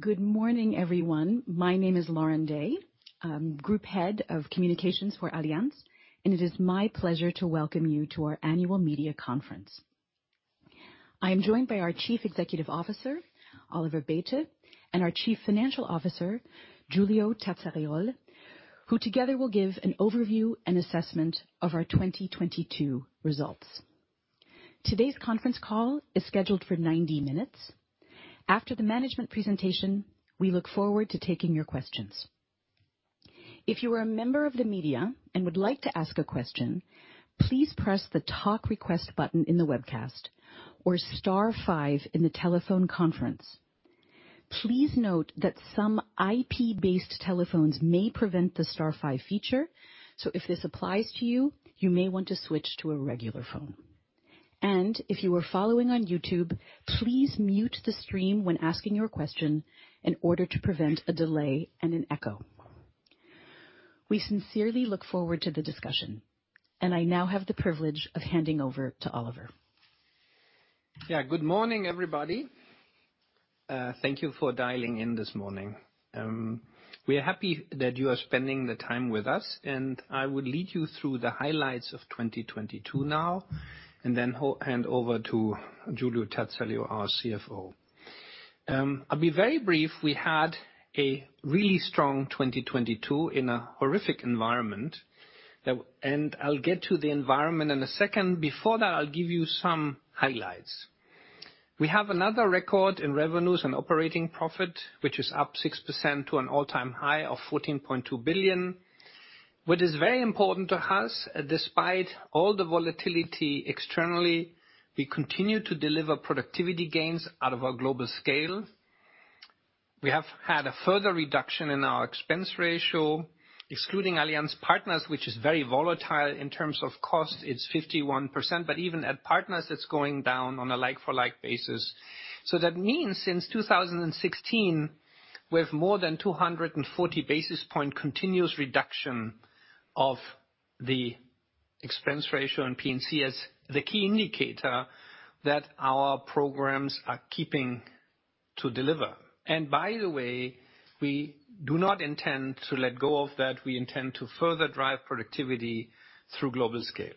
Good morning, everyone. My name is Lauren Day. I'm Group Head of Communications for Allianz. It is my pleasure to welcome you to our annual media conference. I am joined by our and our Chief Financial Officer, Giulio Terzariol, who together will give an overview and assessment of our 2022 results. Today's conference call is scheduled for 90 minutes. After the management presentation, we look forward to taking your questions. If you are a member of the media and would like to ask a question, please press the Talk Request button in the webcast or *5 in the telephone conference. Please note that some IP-based telephones may prevent the *5 feature. If this applies to you may want to switch to a regular phone. If you are following on YouTube, please mute the stream when asking your question in order to prevent a delay and an echo. We sincerely look forward to the discussion, and I now have the privilege of handing over to Oliver Bäte. Yeah, good morning, everybody. Thank you for dialing in this morning. We are happy that you are spending the time with us. I will lead you through the highlights of 2022 now and then hand over to Giulio Terzariol, our CFO. I'll be very brief. We had a really strong 2022 in a horrific environment. I'll get to the environment in a second. Before that, I'll give you some highlights. We have another record in revenues and operating profit, which is up 6% to an all-time high of 14.2 billion. What is very important to us, despite all the volatility externally, we continue to deliver productivity gains out of our global scale. We have had a further reduction in our expense ratio, excluding Allianz Partners, which is very volatile. In terms of cost, it's 51%, but even at Partners, it's going down on a like-for-like basis. That means since 2016, we have more than 240 basis point continuous reduction of the expense ratio on P&Cs, the key indicator that our programs are keeping to deliver. By the way, we do not intend to let go of that. We intend to further drive productivity through global scale.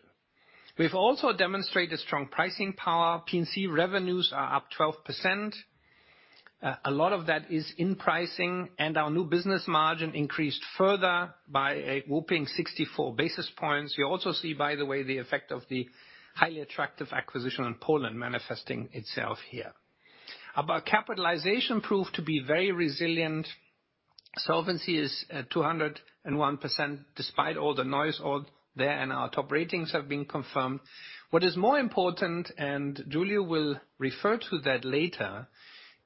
We've also demonstrated strong pricing power. P&C revenues are up 12%. A lot of that is in pricing, and our new business margin increased further by a whopping 64 basis points. Also see, by the way, the effect of the highly attractive acquisition in Poland manifesting itself here. Our capitalization proved to be very resilient. Solvency is at 201%, despite all the noise out there, and our top ratings have been confirmed. What is more important, and Giulio will refer to that later,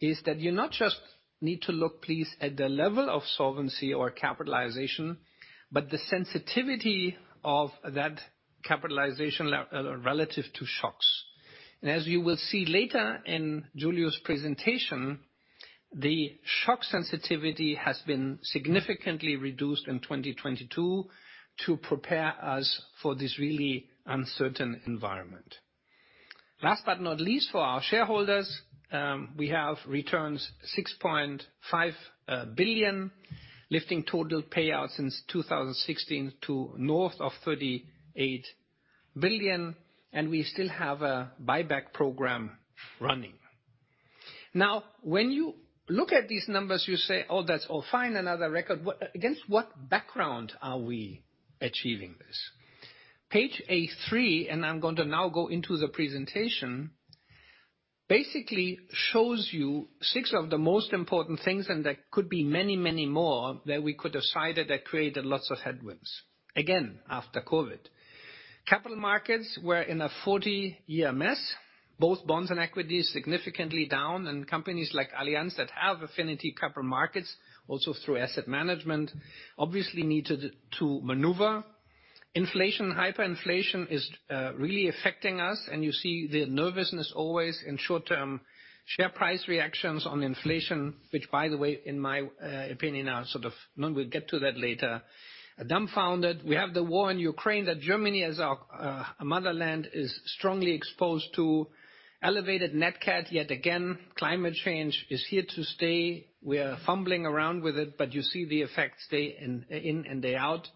is that you not just need to look, please, at the level of solvency or capitalization, but the sensitivity of that capitalization relative to shocks. As you will see later in Giulio's presentation, the shock sensitivity has been significantly reduced in 2022 to prepare us for this really uncertain environment. Last but not least, for our shareholders, we have returned 6.5 billion, lifting total payouts since 2016 to north of 38 billion, and we still have a buyback program running. When you look at these numbers, you say, "Oh, that's all fine, another record." Against what background are we achieving this? Page A3, and I'm going to now go into the presentation, basically shows you six of the most important things. There could be many, many more that we could have cited that created lots of headwinds, again, after COVID. Capital markets were in a 40-year mess, both bonds and equities significantly down. Companies like Allianz that have affinity capital markets, also through asset management, obviously needed to maneuver. Inflation, hyperinflation is really affecting us, and you see the nervousness always in short-term share price reactions on inflation, which, by the way, in my opinion, are sort of, and we'll get to that later, dumbfounded. We have the war in Ukraine that Germany, as our motherland, is strongly exposed to. Elevated Nat Cat, yet again. Climate change is here to stay. We are fumbling around with it, you see the effects day in and day out.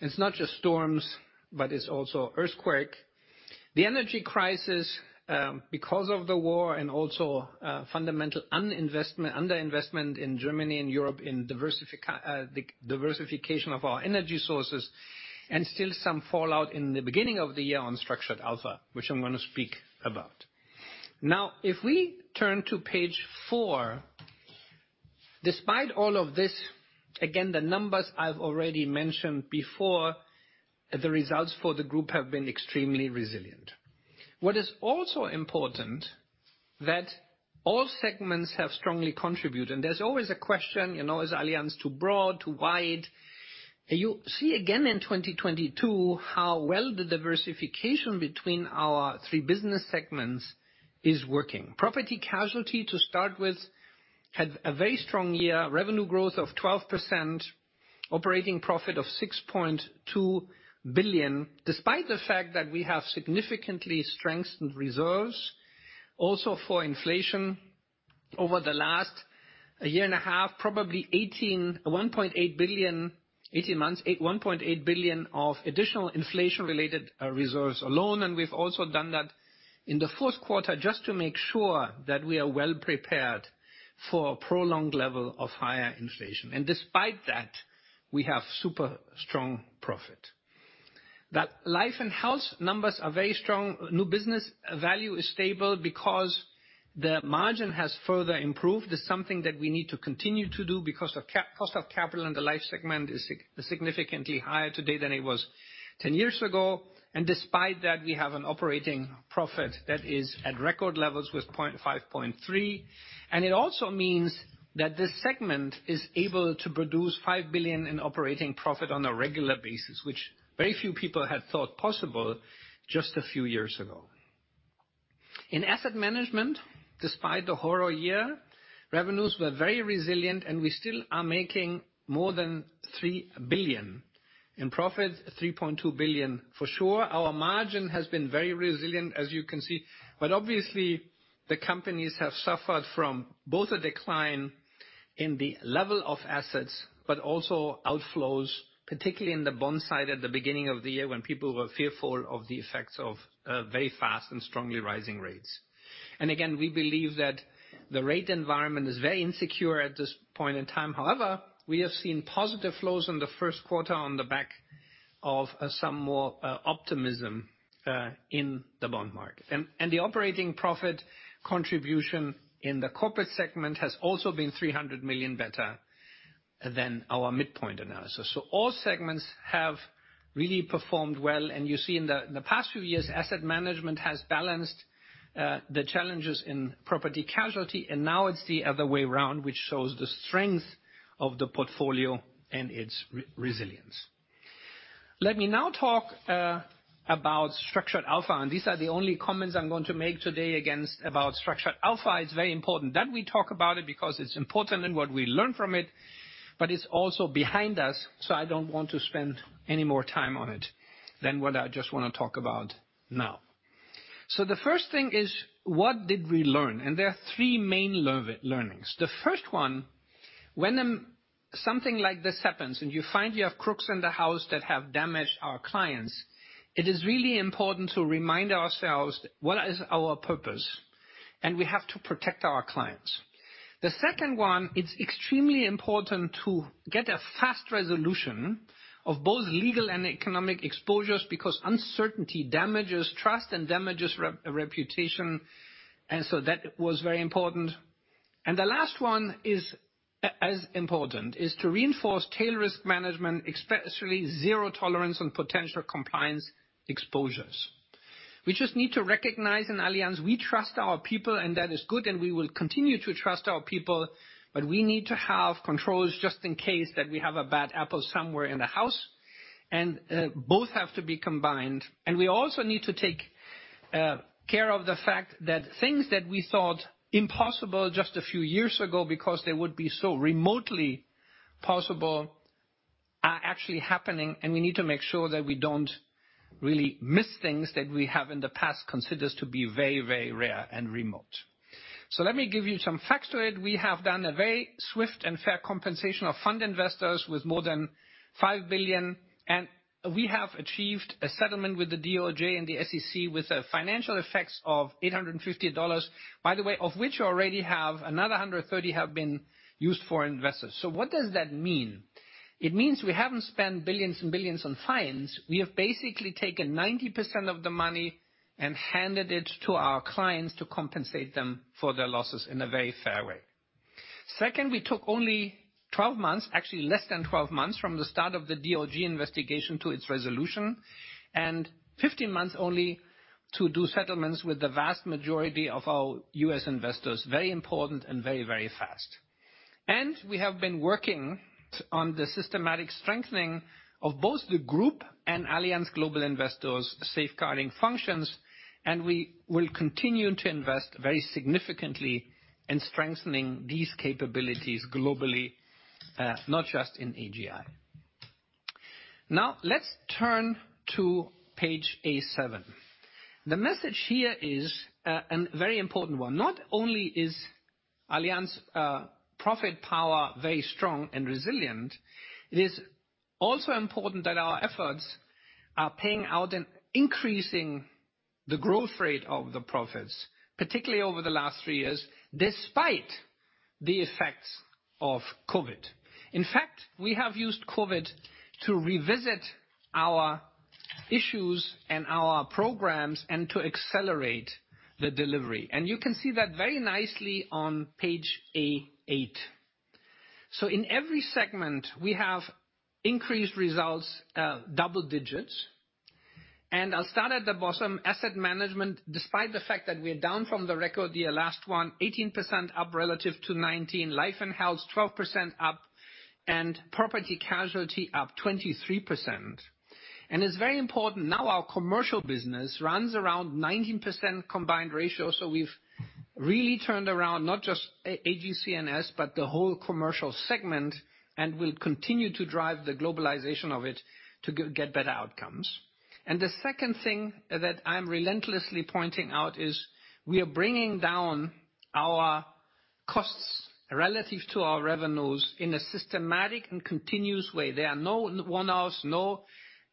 It's not just storms, it's also earthquake. The energy crisis, because of the war and also fundamental under-investment in Germany and Europe in diversification of our energy sources, and still some fallout in the beginning of the year on Structured Alpha, which I am going to speak about. If we turn to page 4, despite all of this, again, the numbers I've already mentioned before, the results for the group have been extremely resilient. What is also important, that all segments have strongly contributed. There's always a question, you know, is Allianz too broad, too wide? You see again in 2022 how well the diversification between our 3 business segments is working. Property Casualty, to start with, had a very strong year. Revenue growth of 12%. Operating profit of 6.2 billion, despite the fact that we have significantly strengthened reserves also for inflation over the last year and a half, probably 1.8 billion 18 months, 1.8 billion of additional inflation-related reserves alone. We've also done that in the fourth quarter just to make sure that we are well-prepared for a prolonged level of higher inflation. Despite that, we have super strong profit. That life and health numbers are very strong. New business value is stable because the margin has further improved. It's something that we need to continue to do because of cost of capital in the life segment is significantly higher today than it was 10 years ago. Despite that, we have an operating profit that is at record levels with 5.3. It also means that this segment is able to produce 5 billion in operating profit on a regular basis, which very few people had thought possible just a few years ago. In asset management, despite the horror year, revenues were very resilient, and we still are making more than 3 billion. In profit, 3.2 billion for sure. Our margin has been very resilient, as you can see. Obviously, the companies have suffered from both a decline in the level of assets, but also outflows, particularly in the bond side at the beginning of the year when people were fearful of the effects of very fast and strongly rising rates. Again, we believe that the rate environment is very insecure at this point in time. However, we have seen positive flows in the first quarter on the back of some more optimism in the bond market. The operating profit contribution in the corporate segment has also been 300 million better than our midpoint analysis. All segments have really performed well. You see in the past few years, asset management has balanced the challenges in property casualty, and now it's the other way around, which shows the strength of the portfolio and its re-resilience. Let me now talk about Structured Alpha, and these are the only comments I'm going to make today about Structured Alpha. It's very important that we talk about it because it's important in what we learn from it, but it's also behind us, so I don't want to spend any more time on it than what I just wanna talk about now. The first thing is, what did we learn? There are three main learnings. The first one, when something like this happens and you find you have crooks in the house that have damaged our clients, it is really important to remind ourselves what is our purpose, and we have to protect our clients. The second one, it's extremely important to get a fast resolution of both legal and economic exposures because uncertainty damages trust and damages reputation. That was very important. The last one is as important, is to reinforce tail risk management, especially zero tolerance on potential compliance exposures. We just need to recognize in Allianz we trust our people, and that is good, and we will continue to trust our people, but we need to have controls just in case that we have a bad apple somewhere in the house. Both have to be combined. We also need to take, care of the fact that things that we thought impossible just a few years ago because they would be so remotely possible are actually happening, and we need to make sure that we don't really miss things that we have in the past considered to be very, very rare and remote. Let me give you some facts to it. We have done a very swift and fair compensation of fund investors with more than 5 billion, and we have achieved a settlement with the DOJ and the SEC with the financial effects of $850. Of which we already have another $130 have been used for investors. What does that mean? It means we haven't spent billions and billions on fines. We have basically taken 90% of the money and handed it to our clients to compensate them for their losses in a very fair way. Second, we took only 12 months, actually less than 12 months, from the start of the DOJ investigation to its resolution, and 15 months only to do settlements with the vast majority of our U.S. investors. Very important and very, very fast. We have been working on the systematic strengthening of both the group and Allianz Global Investors safeguarding functions, and we will continue to invest very significantly in strengthening these capabilities globally, not just in AGI. Now, let's turn to page A-7. The message here is an very important one. Not only is Allianz profit power very strong and resilient, it is also important that our efforts are paying out and increasing the growth rate of the profits, particularly over the last three years, despite the effects of COVID. In fact, we have used COVID to revisit our issues and our programs and to accelerate the delivery. You can see that very nicely on page A-8. In every segment, we have increased results, double digits. I'll start at the bottom. Asset management, despite the fact that we are down from the record year, last one, 18% up relative to 19. Life & Health, 12% up. Property Casualty, up 23%. It's very important now our commercial business runs around 19% combined ratio. We've really turned around not just AGCS, but the whole commercial segment, and we'll continue to drive the globalization of it to get better outcomes. The second thing that I'm relentlessly pointing out is we are bringing down our costs relative to our revenues in a systematic and continuous way. There are no one-offs, no,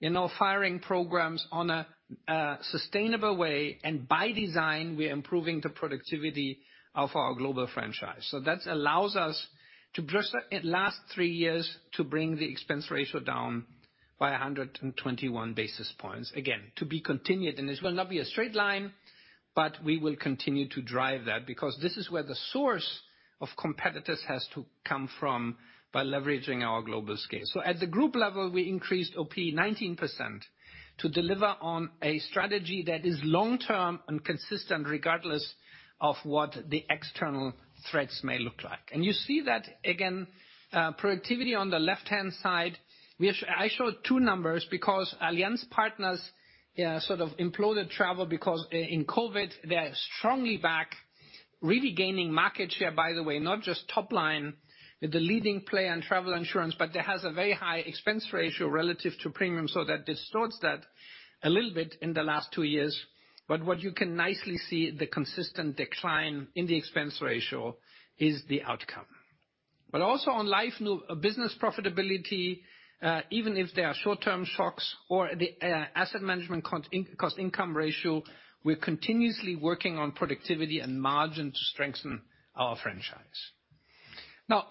you know, firing programs on a sustainable way, and by design, we're improving the productivity of our global franchise. That allows us to at last three years to bring the expense ratio down by 121 basis points. To be continued, and this will not be a straight line, but we will continue to drive that because this is where the source of competitors has to come from by leveraging our global scale. At the group level, we increased OP 19% to deliver on a strategy that is long-term and consistent, regardless of what the external threats may look like. You see that again, productivity on the left-hand side. I showed two numbers because Allianz Partners sort of imploded travel because in COVID they are strongly back, really gaining market share, by the way, not just top line with the leading player in travel insurance, but that has a very high expense ratio relative to premium, so that distorts that a little bit in the last two years. What you can nicely see, the consistent decline in the expense ratio is the outcome. Also on life, business profitability, even if there are short-term shocks or the asset management cost-income ratio, we're continuously working on productivity and margin to strengthen our franchise.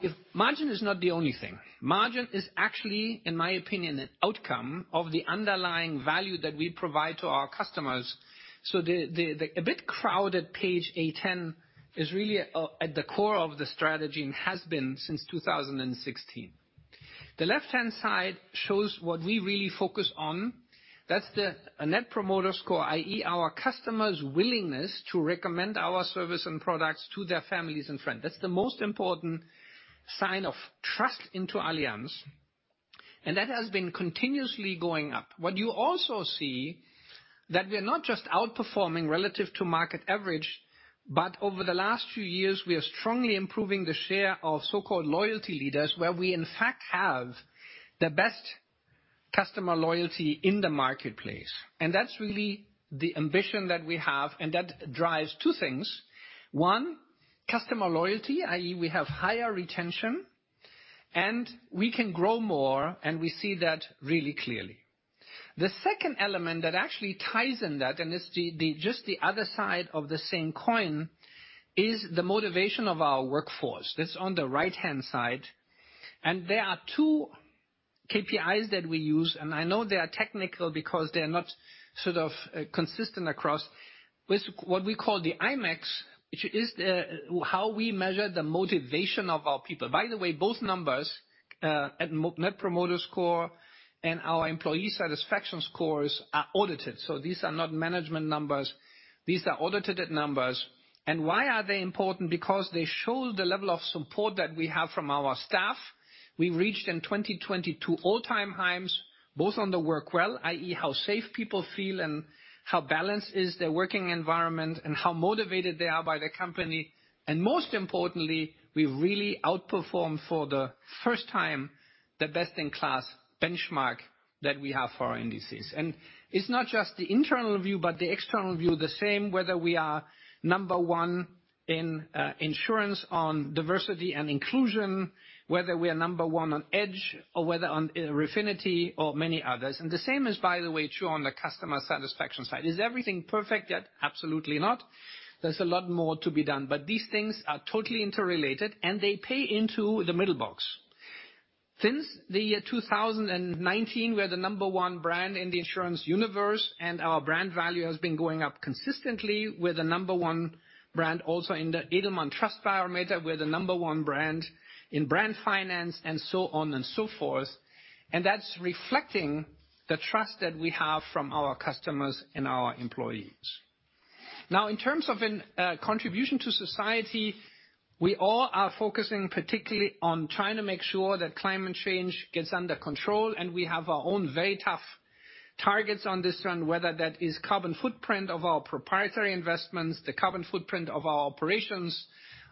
If margin is not the only thing. Margin is actually, in my opinion, an outcome of the underlying value that we provide to our customers. The a bit crowded page 810 is really at the core of the strategy and has been since 2016. The left-hand side shows what we really focus on. That's the Net Promoter Score, i.e., our customer's willingness to recommend our service and products to their families and friends. That's the most important sign of trust into Allianz, and that has been continuously going up. What you also see that we are not just outperforming relative to market average, but over the last few years, we are strongly improving the share of so-called loyalty leaders, where we in fact have the best customer loyalty in the marketplace. That's really the ambition that we have, and that drives 2 things. 1, customer loyalty, i.e., we have higher retention and we can grow more, and we see that really clearly. The second element that actually ties in that, it's just the other side of the same coin, is the motivation of our workforce. That's on the right-hand side. There are 2 KPIs that we use, and I know they are technical because they're not sort of consistent across with what we call the IMEX, which is how we measure the motivation of our people. By the way, both numbers, Net Promoter Score and our employee satisfaction scores are audited. These are not management numbers. These are audited numbers. Why are they important? They show the level of support that we have from our staff. We reached in 2022 all-time highs, both on the work well, i.e., how safe people feel and how balanced is their working environment and how motivated they are by the company. Most importantly, we really outperformed for the first time the best-in-class benchmark that we have for our indices. It's not just the internal view, but the external view, the same whether we are number one in insurance on diversity and inclusion, whether we are number one on EDGE or whether on Refinitiv or many others. The same is, by the way, true on the customer satisfaction side. Is everything perfect yet? Absolutely not. There's a lot more to be done. These things are totally interrelated, and they pay into the middle box. Since the year 2019, we're the number one brand in the insurance universe, and our brand value has been going up consistently. We're the number one brand also in the Edelman Trust Barometer. We're the number one brand in Brand Finance and so on and so forth. That's reflecting the trust that we have from our customers and our employees. Now in terms of in contribution to society, we all are focusing particularly on trying to make sure that climate change gets under control, and we have our own very tough targets on this front, whether that is carbon footprint of our proprietary investments, the carbon footprint of our operations,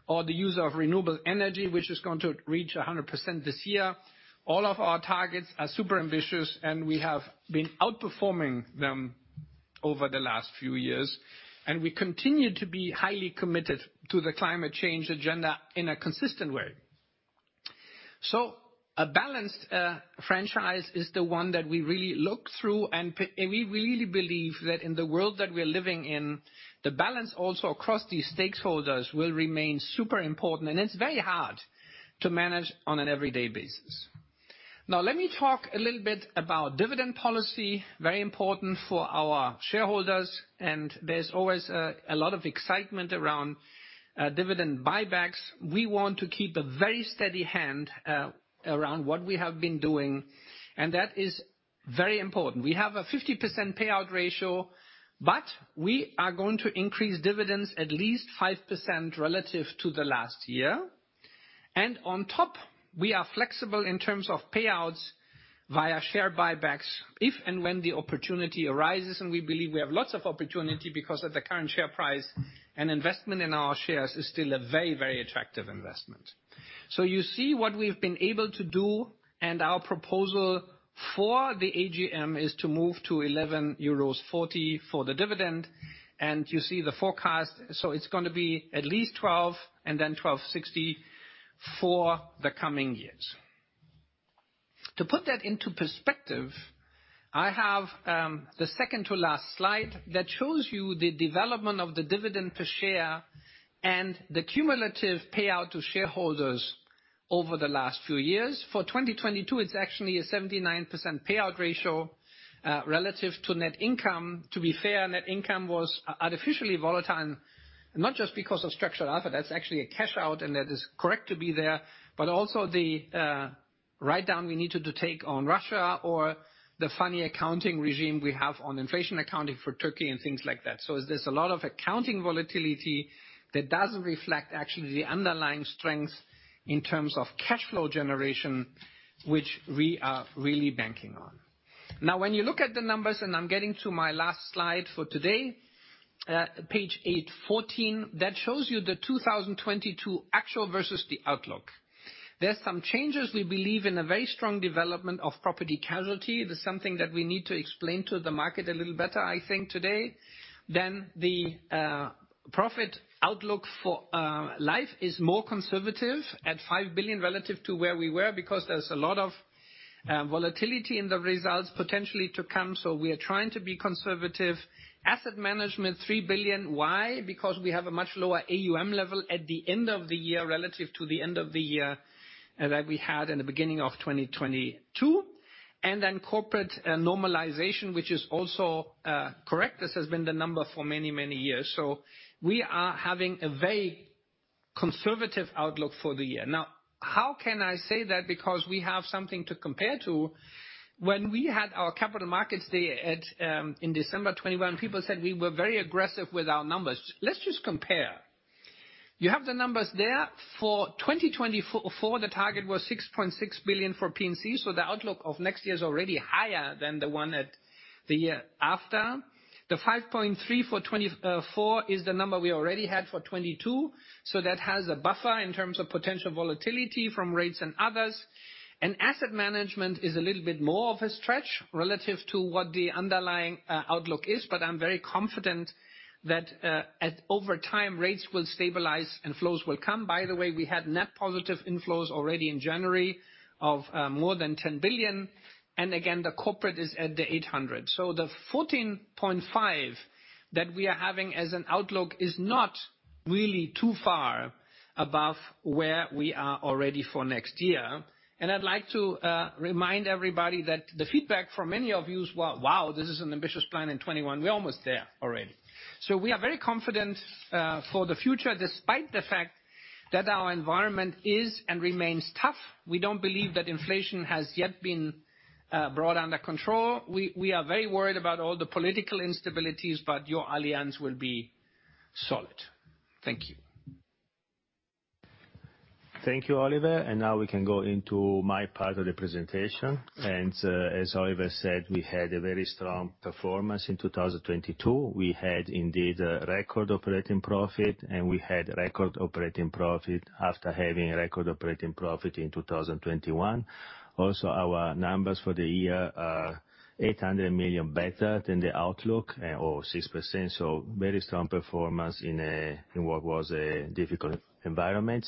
or the use of renewable energy, which is going to reach 100% this year. All of our targets are super ambitious, and we have been outperforming them over the last few years. We continue to be highly committed to the climate change agenda in a consistent way. A balanced franchise is the one that we really look through, and we really believe that in the world that we're living in, the balance also across these stakeholders will remain super important, and it's very hard to manage on an everyday basis. Let me talk a little bit about dividend policy, very important for our shareholders, there's always a lot of excitement around dividend buybacks. We want to keep a very steady hand around what we have been doing, and that is very important. We have a 50% payout ratio, we are going to increase dividends at least 5% relative to the last year. On top, we are flexible in terms of payouts via share buybacks if and when the opportunity arises. We believe we have lots of opportunity because at the current share price an investment in our shares is still a very, very attractive investment. You see what we've been able to do and our proposal for the AGM is to move to 11.40 euros for the dividend, and you see the forecast. It's going to be at least 12 and then 12.60 for the coming years. To put that into perspective, I have the second to last slide that shows you the development of the dividend per share and the cumulative payout to shareholders over the last few years. For 2022, it's actually a 79% payout ratio relative to net income. To be fair, net income was artificially volatile, and not just because of Structured Alpha, that's actually a cash out, and that is correct to be there. Also the write-down we needed to take on Russia or the funny accounting regime we have on inflation accounting for Turkey and things like that. There's a lot of accounting volatility that doesn't reflect actually the underlying strength in terms of cash flow generation, which we are really banking on. When you look at the numbers, I'm getting to my last slide for today, page 814, that shows you the 2022 actual versus the outlook. There's some changes. We believe in a very strong development of property casualty. That's something that we need to explain to the market a little better, I think, today. The profit outlook for life is more conservative at 5 billion relative to where we were because there's a lot of volatility in the results potentially to come, we are trying to be conservative. Asset Management, 3 billion. Why? Because we have a much lower AUM level at the end of the year relative to the end of the year that we had in the beginning of 2022. Corporate normalization, which is also correct. This has been the number for many, many years. We are having a very conservative outlook for the year. How can I say that? Because we have something to compare to. When we had our capital markets day at in December 2021, people said we were very aggressive with our numbers. Let's just compare. You have the numbers there. For 2024, the target was 6.6 billion for P&C, the outlook of next year is already higher than the one at the year after. The 5.3 billion for 2024 is the number we already had for 2022, so that has a buffer in terms of potential volatility from rates and others. Asset management is a little bit more of a stretch relative to what the underlying outlook is, but I'm very confident that, at, over time, rates will stabilize and flows will come. By the way, we had net positive inflows already in January of more than 10 billion. Again, the corporate is at the 800. The 14.5 that we are having as an outlook is not really too far above where we are already for next year. I'd like to remind everybody that the feedback from many of you is wow, this is an ambitious plan in 21. We're almost there already. We are very confident for the future, despite the fact that our environment is and remains tough. We don't believe that inflation has yet been brought under control. We are very worried about all the political instabilities, Your Allianz will be solid. Thank you. Thank you, Oliver. Now we can go into my part of the presentation. As Oliver said, we had a very strong performance in 2022. We had indeed a record operating profit, and we had record operating profit after having record operating profit in 2021. Also, our numbers for the year are 800 million better than the outlook or 6%. Very strong performance in what was a difficult environment.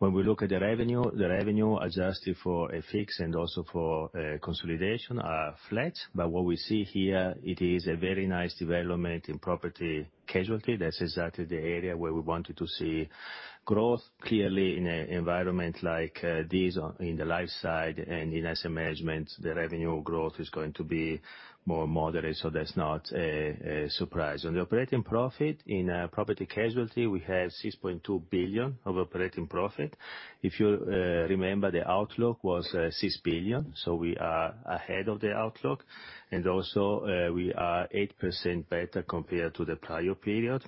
When we look at the revenue, the revenue adjusted for FX and also for consolidation are flat. What we see here, it is a very nice development in property casualty. That's exactly the area where we wanted to see growth. Clearly in a environment like this in the life side and in asset management, the revenue growth is going to be more moderate. That's not a surprise. On the operating profit in Property Casualty, we have 6.2 billion of operating profit. If you remember, the outlook was 6 billion, we are ahead of the outlook. We are 8% better compared to the prior period.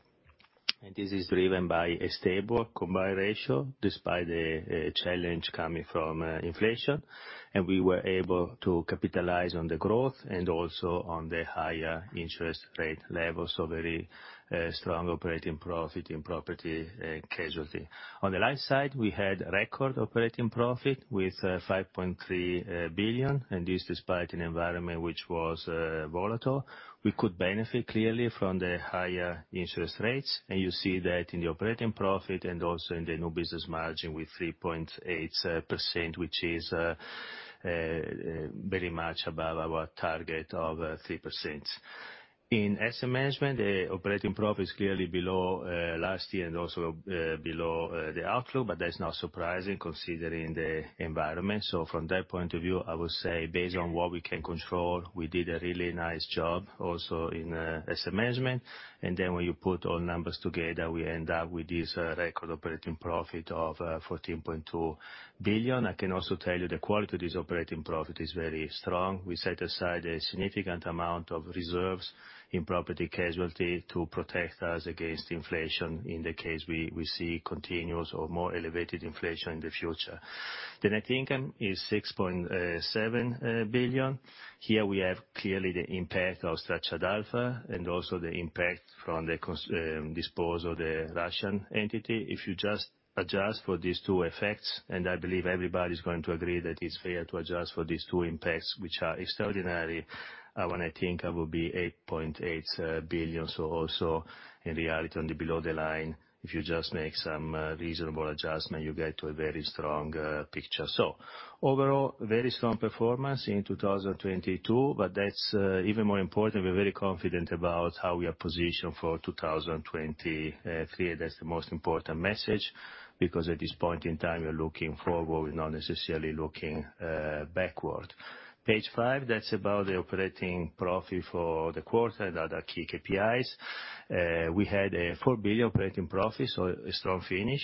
This is driven by a stable combined ratio, despite the challenge coming from inflation. We were able to capitalize on the growth and also on the higher interest rate levels. Very strong operating profit in Property Casualty. On the life side, we had record operating profit with 5.3 billion. This despite an environment which was volatile. We could benefit clearly from the higher interest rates, and you see that in the operating profit and also in the new business margin with 3.8%, which is very much above our target of 3%. In asset management, the operating profit is clearly below last year and also below the outlook, but that's not surprising considering the environment. From that point of view, I would say based on what we can control, we did a really nice job also in asset management. When you put all numbers together, we end up with this record operating profit of 14.2 billion. I can also tell you the quality of this operating profit is very strong. We set aside a significant amount of reserves in property casualty to protect us against inflation in the case we see continuous or more elevated inflation in the future. The net income is 6.7 billion. Here we have clearly the impact of Structured Alpha and also the impact from the disposal of the Russian entity. If you just adjust for these two effects, and I believe everybody's going to agree that it's fair to adjust for these two impacts, which are extraordinary, when I think it would be 8.8 billion. Also in reality, on the below the line, if you just make some reasonable adjustment, you get to a very strong picture. Overall, very strong performance in 2022, that's even more important, we're very confident about how we are positioned for 2023. That's the most important message because at this point in time, we are looking forward, we're not necessarily looking backward. Page five, that's about the operating profit for the quarter and other key KPIs. We had a 4 billion operating profit, a strong finish.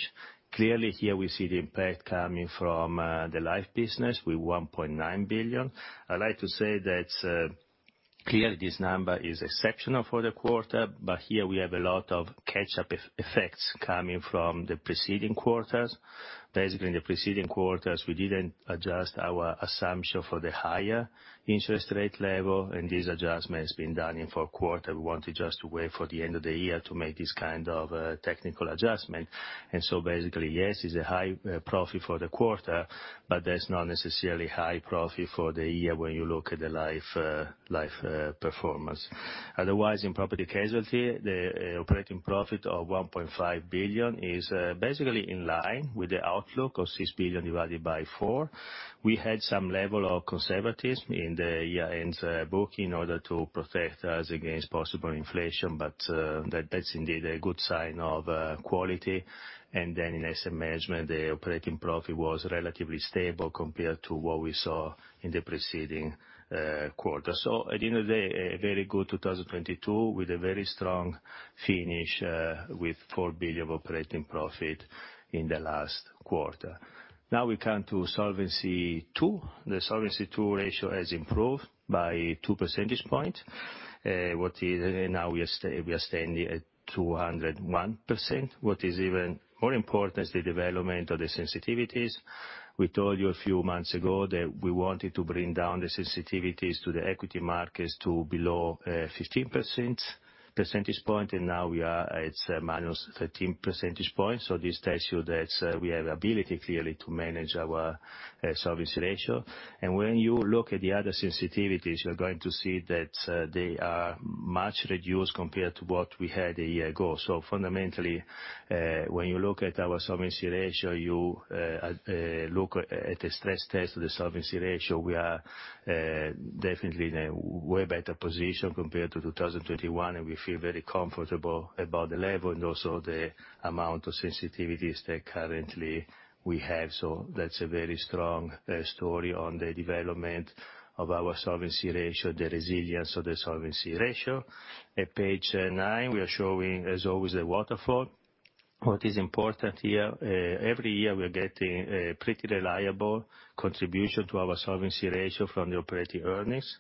Clearly, here we see the impact coming from the life business with 1.9 billion. I'd like to say that clearly this number is exceptional for the quarter, here we have a lot of catch-up effects coming from the preceding quarters. Basically, in the preceding quarters, we didn't adjust our assumption for the higher interest rate level, this adjustment has been done in fourth quarter. We wanted just to wait for the end of the year to make this kind of technical adjustment. Basically, yes, it's a high profit for the quarter, but that's not necessarily high profit for the year when you look at the life life performance. Otherwise, in property casualty, the operating profit of 1.5 billion is basically in line with the outlook of 6 billion divided by 4. We had some level of conservatism in the year-end book in order to protect us against possible inflation. That's indeed a good sign of quality. In asset management, the operating profit was relatively stable compared to what we saw in the preceding quarter. At the end of the day, a very good 2022 with a very strong finish, with 4 billion of operating profit in the last quarter. We come to Solvency II. The Solvency II ratio has improved by 2 percentage points. We are standing at 201%. What is even more important is the development of the sensitivities. We told you a few months ago that we wanted to bring down the sensitivities to the equity markets to below 15 percentage points, and now it's -13 percentage points. This tells you that we have ability clearly to manage our solvency ratio. When you look at the other sensitivities, you're going to see that they are much reduced compared to what we had a year ago. Fundamentally, when you look at our solvency ratio, you look at the stress test of the solvency ratio, we are definitely in a way better position compared to 2021, and we feel very comfortable about the level and also the amount of sensitivities that currently we have. That's a very strong story on the development of our solvency ratio, the resilience of the solvency ratio. At page 9, we are showing as always the waterfall. What is important here, every year, we are getting a pretty reliable contribution to our solvency ratio from the operating earnings.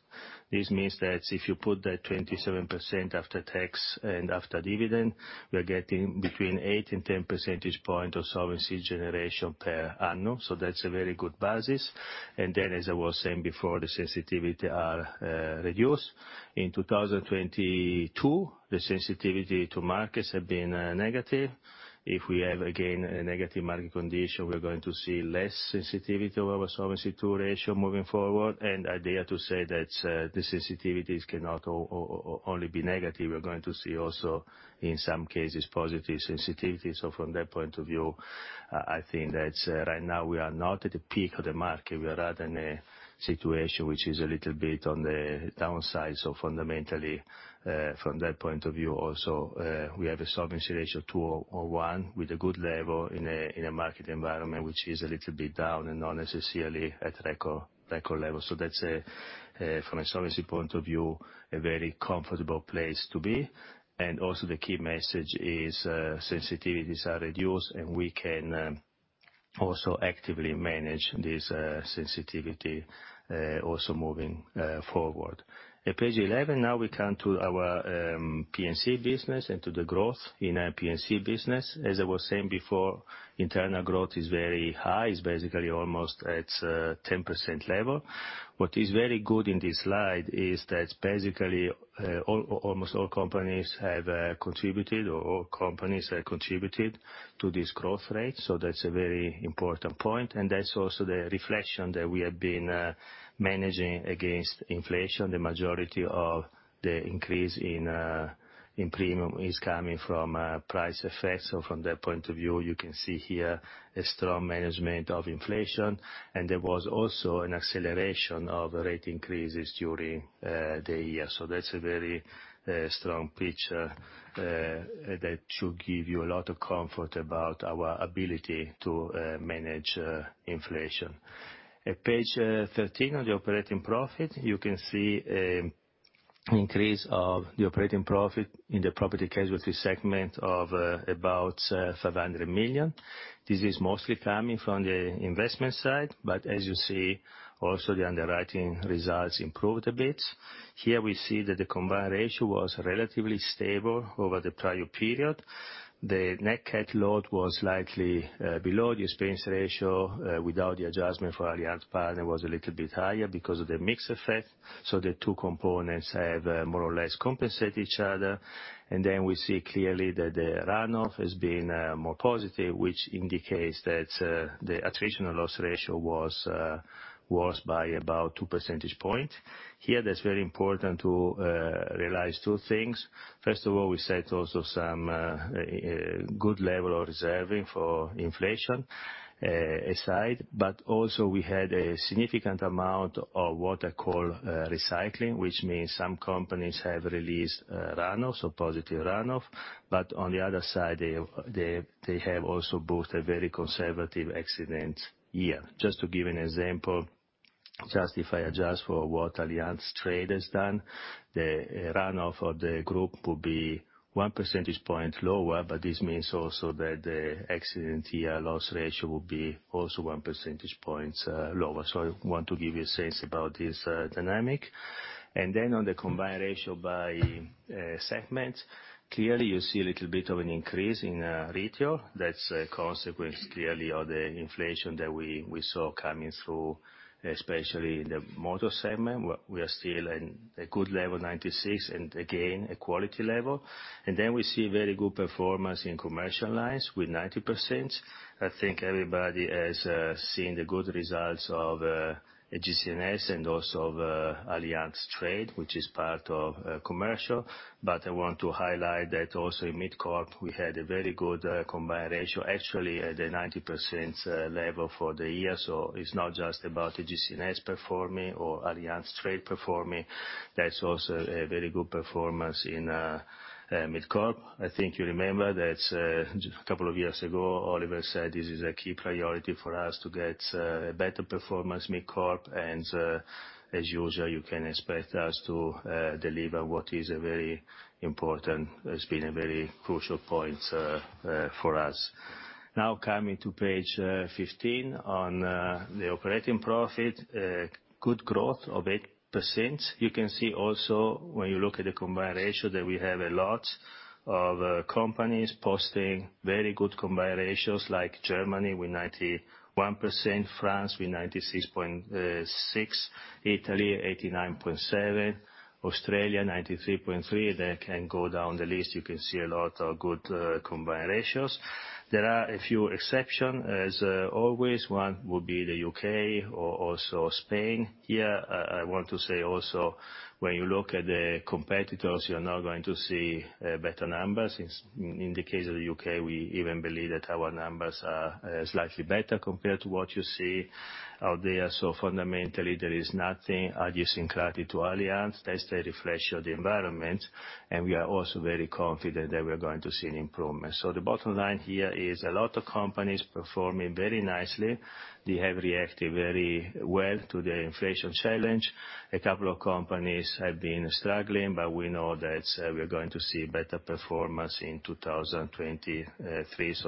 This means that if you put that 27% after tax and after dividend, we are getting between 8 and 10 percentage point of solvency generation per annum. That's a very good basis. Then, as I was saying before, the sensitivity are reduced. In 2022, the sensitivity to markets have been negative. If we have again a negative market condition, we're going to see less sensitivity of our Solvency II ratio moving forward. I dare to say that the sensitivities cannot only be negative. We're going to see also, in some cases, positive sensitivity. From that point of view, I think that right now we are not at the peak of the market. We are at in a situation which is a little bit on the downside. Fundamentally, from that point of view also, we have a Solvency ratio 201 with a good level in a, in a market environment, which is a little bit down and not necessarily at record levels. That's a, from a solvency point of view, a very comfortable place to be. Also the key message is, sensitivities are reduced, and we can also actively manage this sensitivity also moving forward. At page 11, now we come to our P&C business and to the growth in our P&C business. As I was saying before, internal growth is very high. It's basically almost at 10% level. What is very good in this slide is that basically, all companies have contributed to this growth rate. That's a very important point. That's also the reflection that we have been managing against inflation. The majority of the increase in premium is coming from price effects. From that point of view, you can see here a strong management of inflation, and there was also an acceleration of rate increases during the year. That's a very strong picture that should give you a lot of comfort about our ability to manage inflation. At page 13 on the operating profit, you can see a increase of the operating profit in the property casualty segment of about 500 million. This is mostly coming from the investment side, but as you see, also the underwriting results improved a bit. Here we see that the combined ratio was relatively stable over the prior period. The Nat Cat load was slightly below the expense ratio, without the adjustment for Allianz Partners was a little bit higher because of the mix effect, so the two components have more or less compensate each other. We see clearly that the run-off has been more positive, which indicates that the attritional loss ratio was worse by about 2 percentage point. Here, that's very important to realize 2 things. First of all, we set also some good level of reserving for inflation aside, but also we had a significant amount of what I call recycling, which means some companies have released run-off, so positive run-off, but on the other side, they have also booked a very conservative accident year. To give an example, just if I adjust for what Allianz Trade has done, the run-off of the group will be 1 percentage point lower. This means also that the accident year loss ratio will be also 1 percentage points lower. I want to give you a sense about this dynamic. On the combined ratio by segment, clearly you see a little bit of an increase in retail. That's a consequence, clearly, of the inflation that we saw coming through, especially in the motor segment. We are still in a good level, 96, and again, a quality level. We see very good performance in commercial lines with 90%. I think everybody has seen the good results of AGCS and also of Allianz Trade, which is part of commercial. I want to highlight that also in MidCorp, we had a very good combined ratio, actually at the 90% level for the year. It's not just about the AGCS performing or Allianz Trade performing. There's also a very good performance in MidCorp. I think you remember that a couple of years ago, Oliver said this is a key priority for us to get a better performance MidCorp, and as usual, you can expect us to deliver what is a very important, it's been a very crucial point for us. Now coming to page 15 on the operating profit, good growth of 8%. You can see also when you look at the combined ratio that we have a lot of companies posting very good combined ratios like Germany with 91%, France with 96.6%, Italy 89.7%, Australia 93.3%. I can go down the list. You can see a lot of good combined ratios. There are a few exceptions, as always. One would be the U.K. or also Spain. I want to say also, when you look at the competitors, you're now going to see better numbers. In the case of the U.K., we even believe that our numbers are slightly better compared to what you see out there. Fundamentally, there is nothing idiosyncratic to Allianz. That's the reflection of the environment, and we are also very confident that we're going to see an improvement. The bottom line here is a lot of companies performing very nicely. They have reacted very well to the inflation challenge. A couple of companies have been struggling, we know that we are going to see better performance in 2023.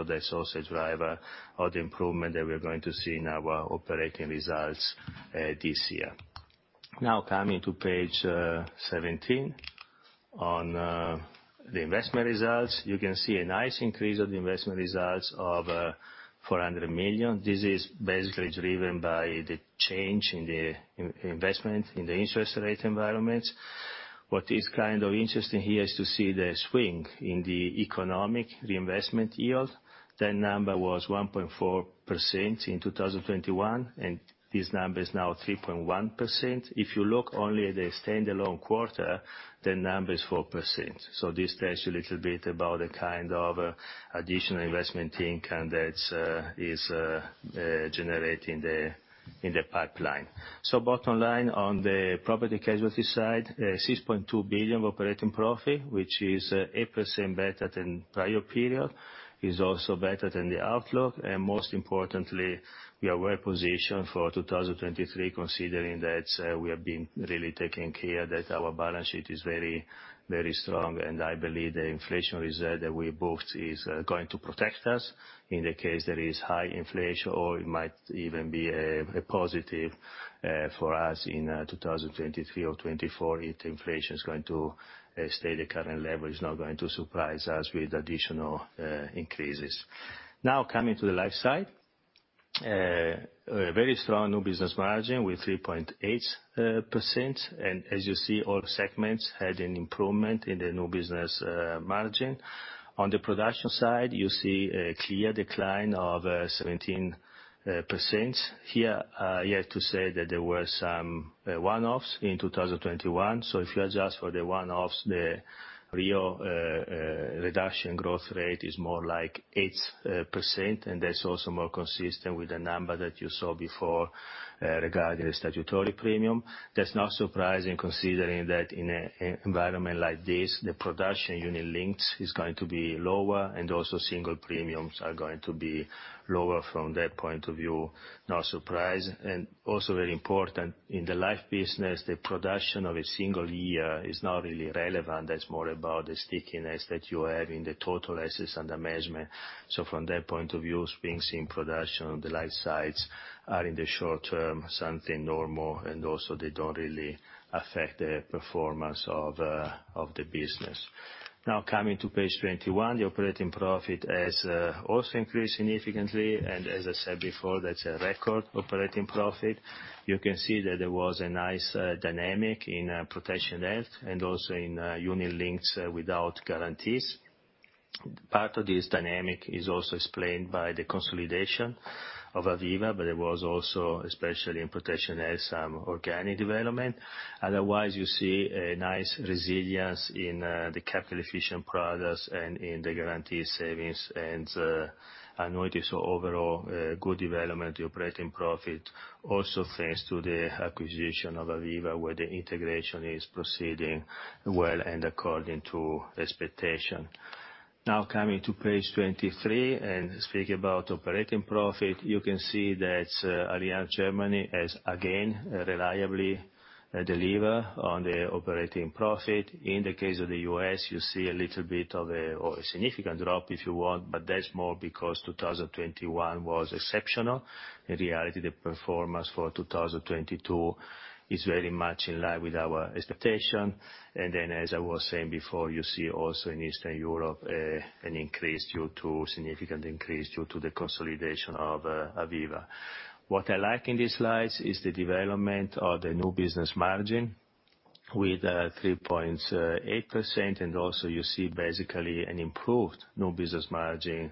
That's also a driver of the improvement that we're going to see in our operating results this year. Now coming to page 17 on the investment results. You can see a nice increase of the investment results of 400 million. This is basically driven by the change in the interest rate environment. What is kind of interesting here is to see the swing in the economic reinvestment yield. That number was 1.4% in 2021, and this number is now 3.1%. If you look only at the standalone quarter, the number is 4%. This tells you a little bit about the kind of additional investment income that's generating in the pipeline. Bottom line on the property casualty side, 6.2 billion of operating profit, which is 8% better than prior period, is also better than the outlook. Most importantly, we are well positioned for 2023, considering that we have been really taking care that our balance sheet is very, very strong. I believe the inflation reserve that we booked is going to protect us in the case there is high inflation, or it might even be a positive for us in 2023 or 2024 if inflation is going to stay the current level. It's not going to surprise us with additional increases. Now coming to the life side. A very strong new business margin with 3.8%. And as you see, all segments had an improvement in the new business margin. On the production side, you see a clear decline of 17%. Here, you have to say that there were some one-offs in 2021. So if you adjust for the one-offs, the real reduction growth rate is more like 8%, and that's also more consistent with the number that you saw before regarding the statutory premium. That's not surprising considering that in an environment like this, the production unit-linked is going to be lower, and also single premiums are going to be lower from that point of view, no surprise. Also very important, in the life business, the production of a single year is not really relevant. That's more about the stickiness that you have in the total assets under management. From that point of view, seeing production on the life sides are, in the short term, something normal, and also they don't really affect the performance of the business. Coming to page 21, the operating profit has also increased significantly, and as I said before, that's a record operating profit. You can see that there was a nice dynamic in protection health and also in unit links without guarantees. Part of this dynamic is also explained by the consolidation of Aviva, but it was also especially in protection health, some organic development. Otherwise, you see a nice resilience in the capital-efficient products and in the guaranteed savings and annuities. Overall, good development. The operating profit also thanks to the acquisition of Aviva, where the integration is proceeding well and according to expectation. Coming to page 23 and speaking about operating profit, you can see that Allianz Germany has again reliably delivered on the operating profit. In the case of the U.S., you see a little bit of a, or a significant drop if you want, but that's more because 2021 was exceptional. In reality, the performance for 2022 is very much in line with our expectation. As I was saying before, you see also in Eastern Europe, an increase due to significant increase due to the consolidation of Aviva. What I like in these slides is the development of the new business margin with 3.8%, and also you see basically an improved new business margin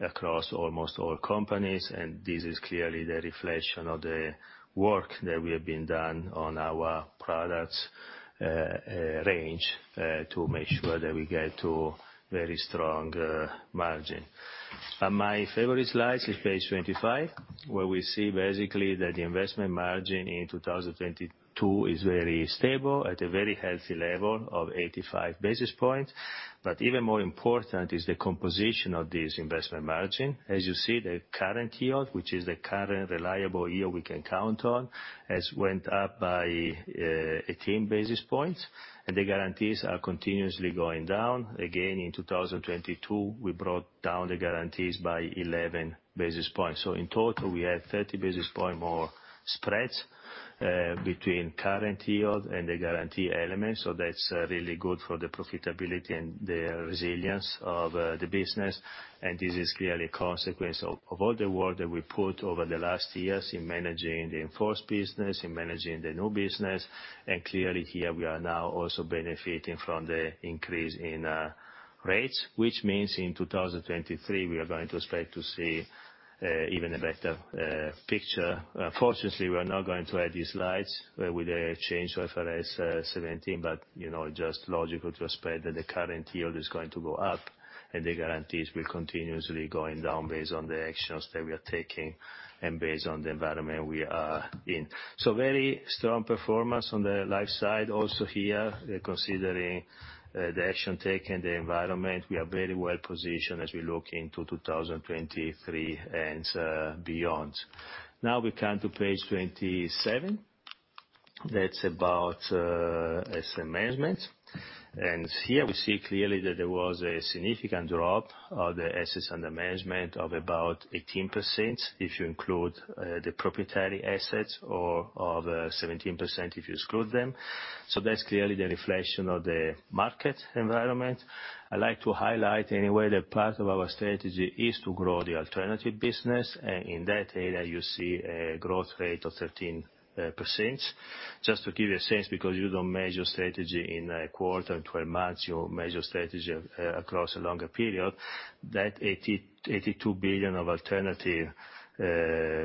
across almost all companies. This is clearly the reflection of the work that we have been done on our products range to make sure that we get to very strong margin. My favorite slide is page 25, where we see basically that the investment margin in 2022 is very stable at a very healthy level of 85 basis points. Even more important is the composition of this investment margin. As you see, the current yield, which is the current reliable yield we can count on, has went up by 18 basis points, and the guarantees are continuously going down. In 2022, we brought down the guarantees by 11 basis points. In total, we had 30 basis points more spreads between current yield and the guarantee elements. That's really good for the profitability and the resilience of all the work that we put over the last years in managing the in-force business, in managing the new business. Clearly here we are now also benefiting from the increase in rates, which means in 2023, we are going to expect to see even a better picture. Fortunately, we are not going to add these slides with the change IFRS 17, but, you know, just logical to expect that the current yield is going to go up and the guarantees will continuously going down based on the actions that we are taking and based on the environment we are in. Very strong performance on the life side also here, considering the action taken, the environment. We are very well positioned as we look into 2023 and beyond. We come to page 27. That's about asset management. Here we see clearly that there was a significant drop of the assets under management of about 18%, if you include the proprietary assets or the 17% if you exclude them. That's clearly the reflection of the market environment. I'd like to highlight, anyway, that part of our strategy is to grow the alternative business. In that area you see a growth rate of 13%. Just to give you a sense, because you don't measure strategy in a quarter or 12 months, you measure strategy across a longer period, that 82 billion of alternative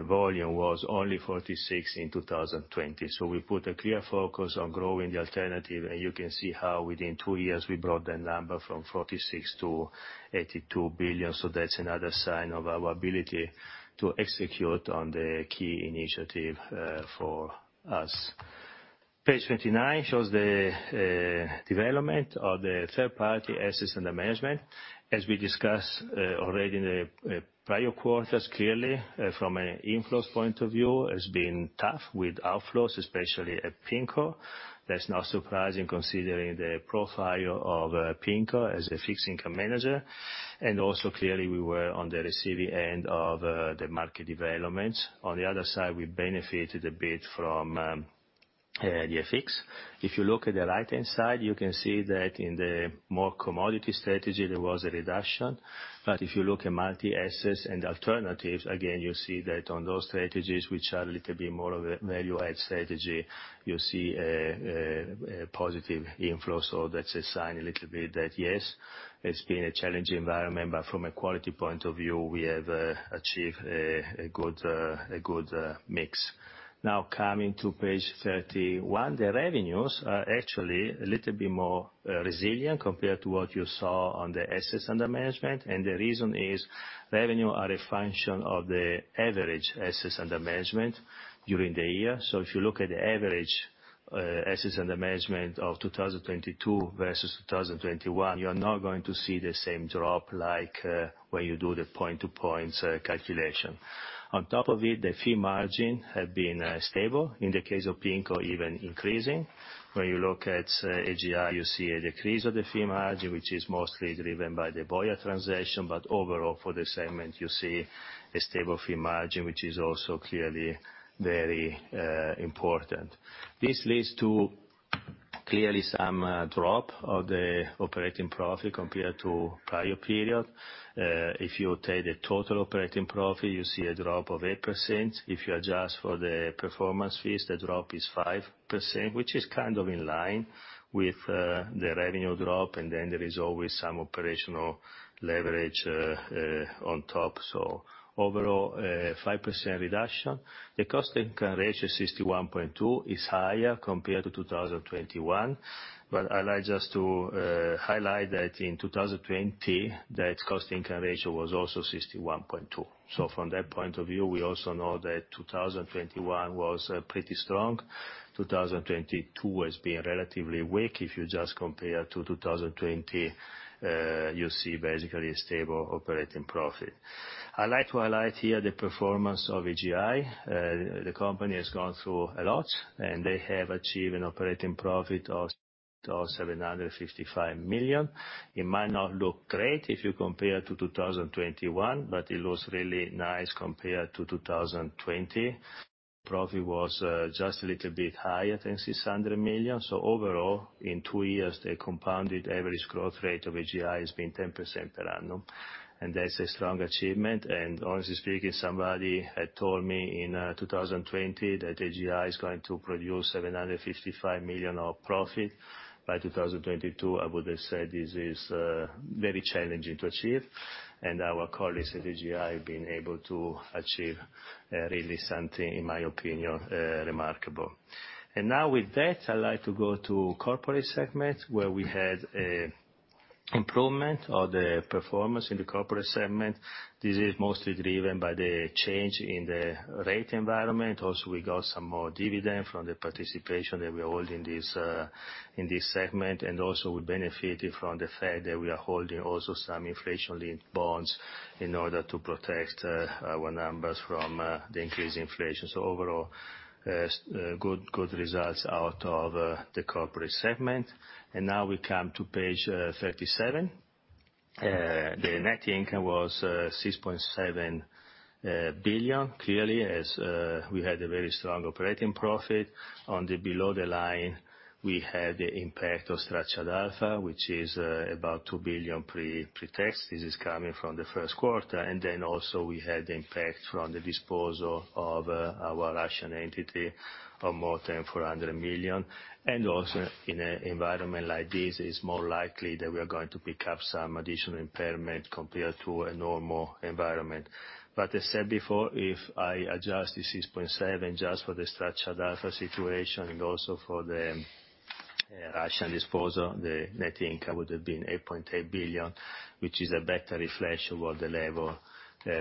volume was only 46 billion in 2020. We put a clear focus on growing the alternative, and you can see how within 2 years we brought the number from 46 billion to 82 billion. That's another sign of our ability to execute on the key initiative for us. Page 29 shows the development of the third-party assets under management. As we discussed already in the prior quarters, clearly, from an inflows point of view, it's been tough with outflows, especially at PIMCO. That's not surprising considering the profile of PIMCO as a fixed income manager. Also clearly we were on the receiving end of the market developments. On the other side, we benefited a bit from the FX. If you look at the right-hand side, you can see that in the more commodity strategy, there was a reduction. If you look at multi-assets and alternatives, again, you see that on those strategies, which are a little bit more of a value-add strategy, you see a positive inflow. That's a sign a little bit that yes, it's been a challenging environment. From a quality point of view, we have achieved a good mix. Now coming to page 31, the revenues are actually a little bit more resilient compared to what you saw on the assets under management. The reason is revenue are a function of the average assets under management during the year. If you look at the average assets under management of 2022 versus 2021, you're now going to see the same drop like when you do the point to points calculation. On top of it, the fee margin had been stable. In the case of PIMCO, even increasing. When you look at AGI, you see a decrease of the fee margin, which is mostly driven by the Voya transaction. Overall, for this segment, you see a stable fee margin, which is also clearly very important. This leads to clearly some drop of the operating profit compared to prior period. If you take the total operating profit, you see a drop of 8%. If you adjust for the performance fees, the drop is 5%, which is kind of in line with the revenue drop, and then there is always some operational leverage on top. Overall, 5% reduction. The cost income ratio 61.2 is higher compared to 2021. I like just to highlight that in 2020, that cost income ratio was also 61.2. From that point of view, we also know that 2021 was pretty strong. 2022 has been relatively weak. If you just compare to 2020, you see basically a stable operating profit. I like to highlight here the performance of AGI. The company has gone through a lot, and they have achieved an operating profit of 755 million. It might not look great if you compare to 2021, but it looks really nice compared to 2020. Profit was just a little bit higher than 600 million. Overall, in two years, the compounded average growth rate of AGI has been 10% per annum. That's a strong achievement. Honestly speaking, somebody had told me in 2020 that AGI is going to produce 755 million of profit by 2022. I would have said this is very challenging to achieve. Our colleagues at AGI have been able to achieve really something, in my opinion, remarkable. With that, I like to go to corporate segment, where we had a improvement of the performance in the corporate segment. This is mostly driven by the change in the rate environment. We got some more dividend from the participation that we hold in this in this segment. We benefited from the fact that we are holding also some inflation-linked bonds in order to protect our numbers from the increased inflation. Overall, good results out of the corporate segment. We come to page 37. The net income was 6.7 billion, clearly as we had a very strong operating profit. On the below the line, we had the impact of Structured Alpha, which is about 2 billion pre-tax. This is coming from the first quarter. Also we had the impact from the disposal of our Russian entity of more than 400 million. Also in an environment like this, it's more likely that we are going to pick up some additional impairment compared to a normal environment. As said before, if I adjust the 6.7 billion just for the Structured Alpha situation and also for the Russian disposal, the net income would have been 8.8 billion, which is a better reflection of the level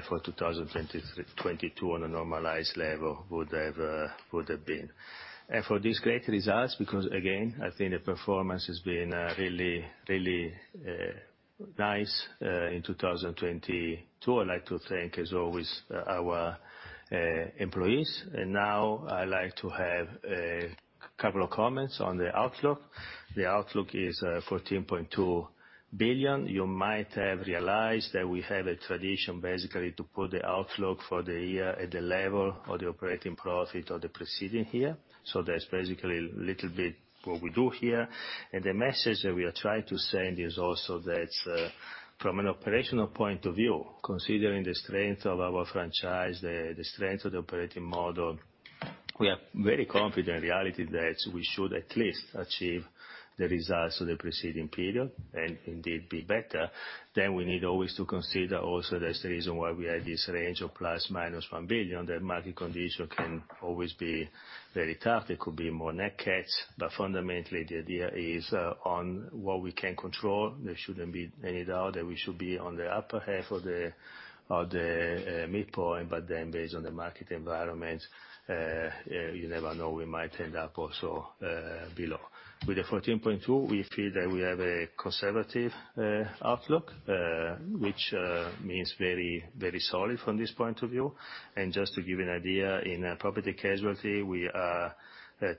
for 2022 on a normalized level would have been. For these great results, because again, I think the performance has been really, really nice in 2022. I'd like to thank as always our employees. Now I like to have a couple of comments on the outlook. The outlook is 14.2 billion. You might have realized that we have a tradition basically to put the outlook for the year at the level of the operating profit of the preceding year. That's basically little bit what we do here. The message that we are trying to send is also that, from an operational point of view, considering the strength of our franchise, the strength of the operating model. We are very confident in reality that we should at least achieve the results of the preceding period and indeed be better. We need always to consider also there's the reason why we have this range of ±1 billion, that market condition can always be very tough. There could be more Nat Cats. Fundamentally, the idea is on what we can control, there shouldn't be any doubt that we should be on the upper half of the mid-point. Based on the market environment, you never know, we might end up also below. With the 14.2, we feel that we have a conservative outlook, which means very, very solid from this point of view. Just to give you an idea, in Property & Casualty, we are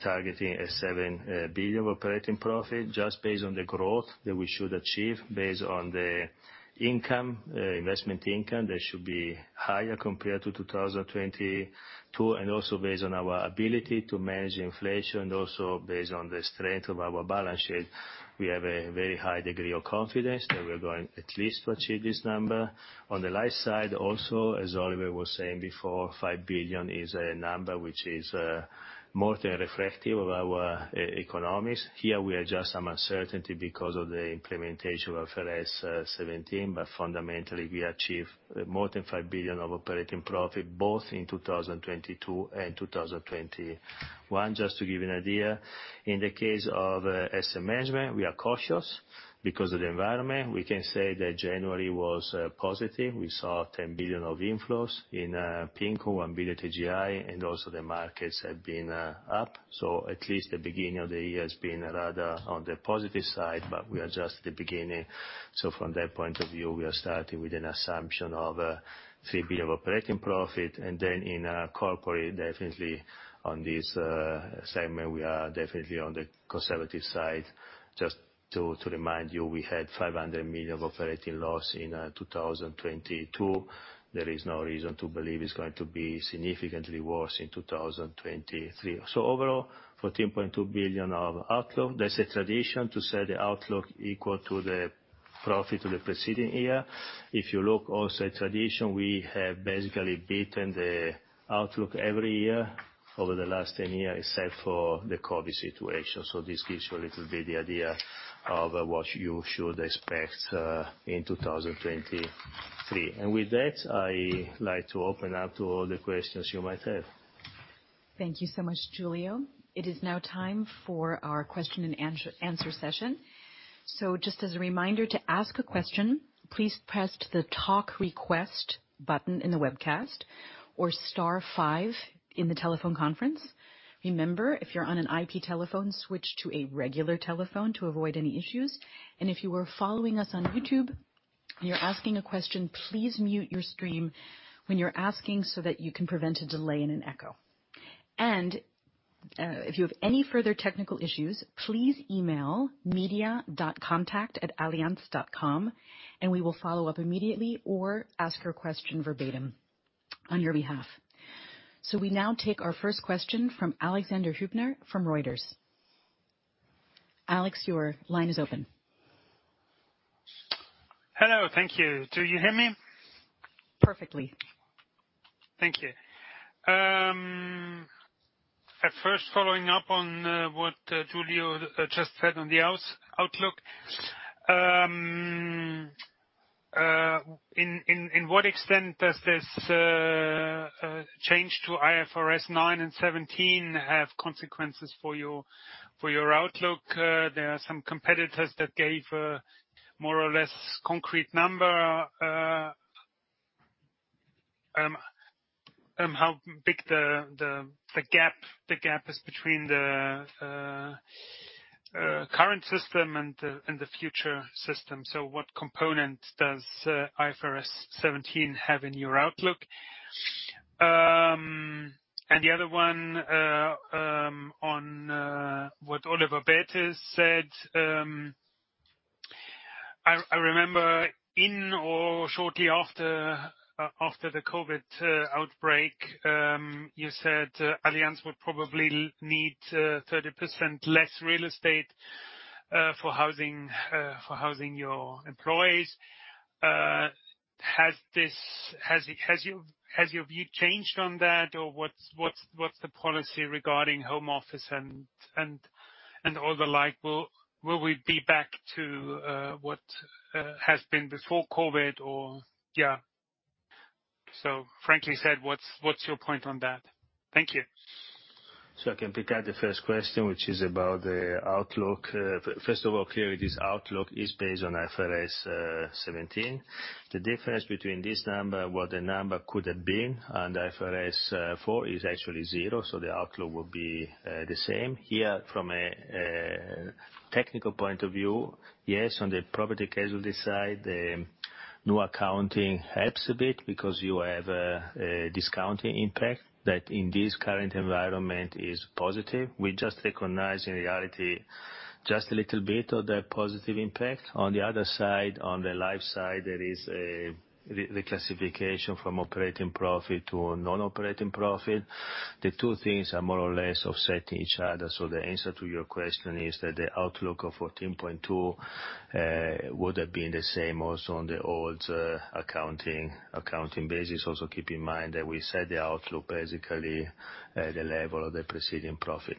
targeting a 7 billion operating profit just based on the growth that we should achieve based on the income, investment income, that should be higher compared to 2022, and also based on our ability to manage inflation, also based on the strength of our balance sheet. We have a very high degree of confidence that we're going at least to achieve this number. On the life side also, as Oliver Bäte was saying before, 5 billion is a number which is more than reflective of our economics. Here, we have just some uncertainty because of the implementation of IFRS 17. Fundamentally, we achieved more than 5 billion of operating profit both in 2022 and 2021. Just to give you an idea. In the case of asset management, we are cautious because of the environment. We can say that January was positive. We saw 10 billion of inflows in PIMCO, 1 billion AGI. Also the markets have been up. At least the beginning of the year has been rather on the positive side, we are just at the beginning. From that point of view, we are starting with an assumption of 3 billion operating profit. In corporate, definitely on this segment, we are definitely on the conservative side. Just to remind you, we had 500 million of operating loss in 2022. There is no reason to believe it's going to be significantly worse in 2023. Overall, 14.2 billion of outlook. That's a tradition to set the outlook equal to the profit of the preceding year. If you look also at tradition, we have basically beaten the outlook every year over the last 10 years, except for the COVID situation. This gives you a little bit the idea of what you should expect in 2023. With that, I like to open up to all the questions you might have. Thank you so much, Giulio. It is now time for our question-and-answer session. Just as a reminder to ask a question, please press the Talk Request button in the webcast or *5 in the telephone conference. Remember, if you're on an IP telephone, switch to a regular telephone to avoid any issues. If you are following us on YouTube and you're asking a question, please mute your stream when you're asking so that you can prevent a delay and an echo. If you have any further technical issues, please email media.contact@allianz.com, and we will follow up immediately or ask your question verbatim on your behalf. We now take our first question from Alexander Huebner from Reuters. Alex, your line is open. Hello. Thank you. Do you hear me? Perfectly. Thank you. At first following up on what Giulio just said on the outlook. In what extent does this change to IFRS 9 and 17 have consequences for your outlook? There are some competitors that gave a more or less concrete number how big the gap is between the current system and the future system. What component does IFRS 17 have in your outlook? The other one on what Oliver Bäte said, I remember in or shortly after the COVID outbreak, you said Allianz would probably need 30% less real estate for housing your employees. Has your view changed on that, or what's the policy regarding home office and all the like? Will we be back to what has been before COVID or? Yeah. Frankly said, what's your point on that? Thank you. I can pick out the first question, which is about the outlook. First of all, clearly, this outlook is based on IFRS 17. The difference between this number, what the number could have been on the IFRS 4 is actually 0, so the outlook will be the same. Here, from a technical point of view, yes, on the property casualty side, the new accounting helps a bit because you have a discounting impact that in this current environment is positive. We just recognize in reality just a little bit of the positive impact. On the other side, on the life side, there is a re-reclassification from operating profit to non-operating profit. The two things are more or less offsetting each other. The answer to your question is that the outlook of 14.2 would have been the same also on the old accounting basis. Also, keep in mind that we set the outlook basically at the level of the preceding profit.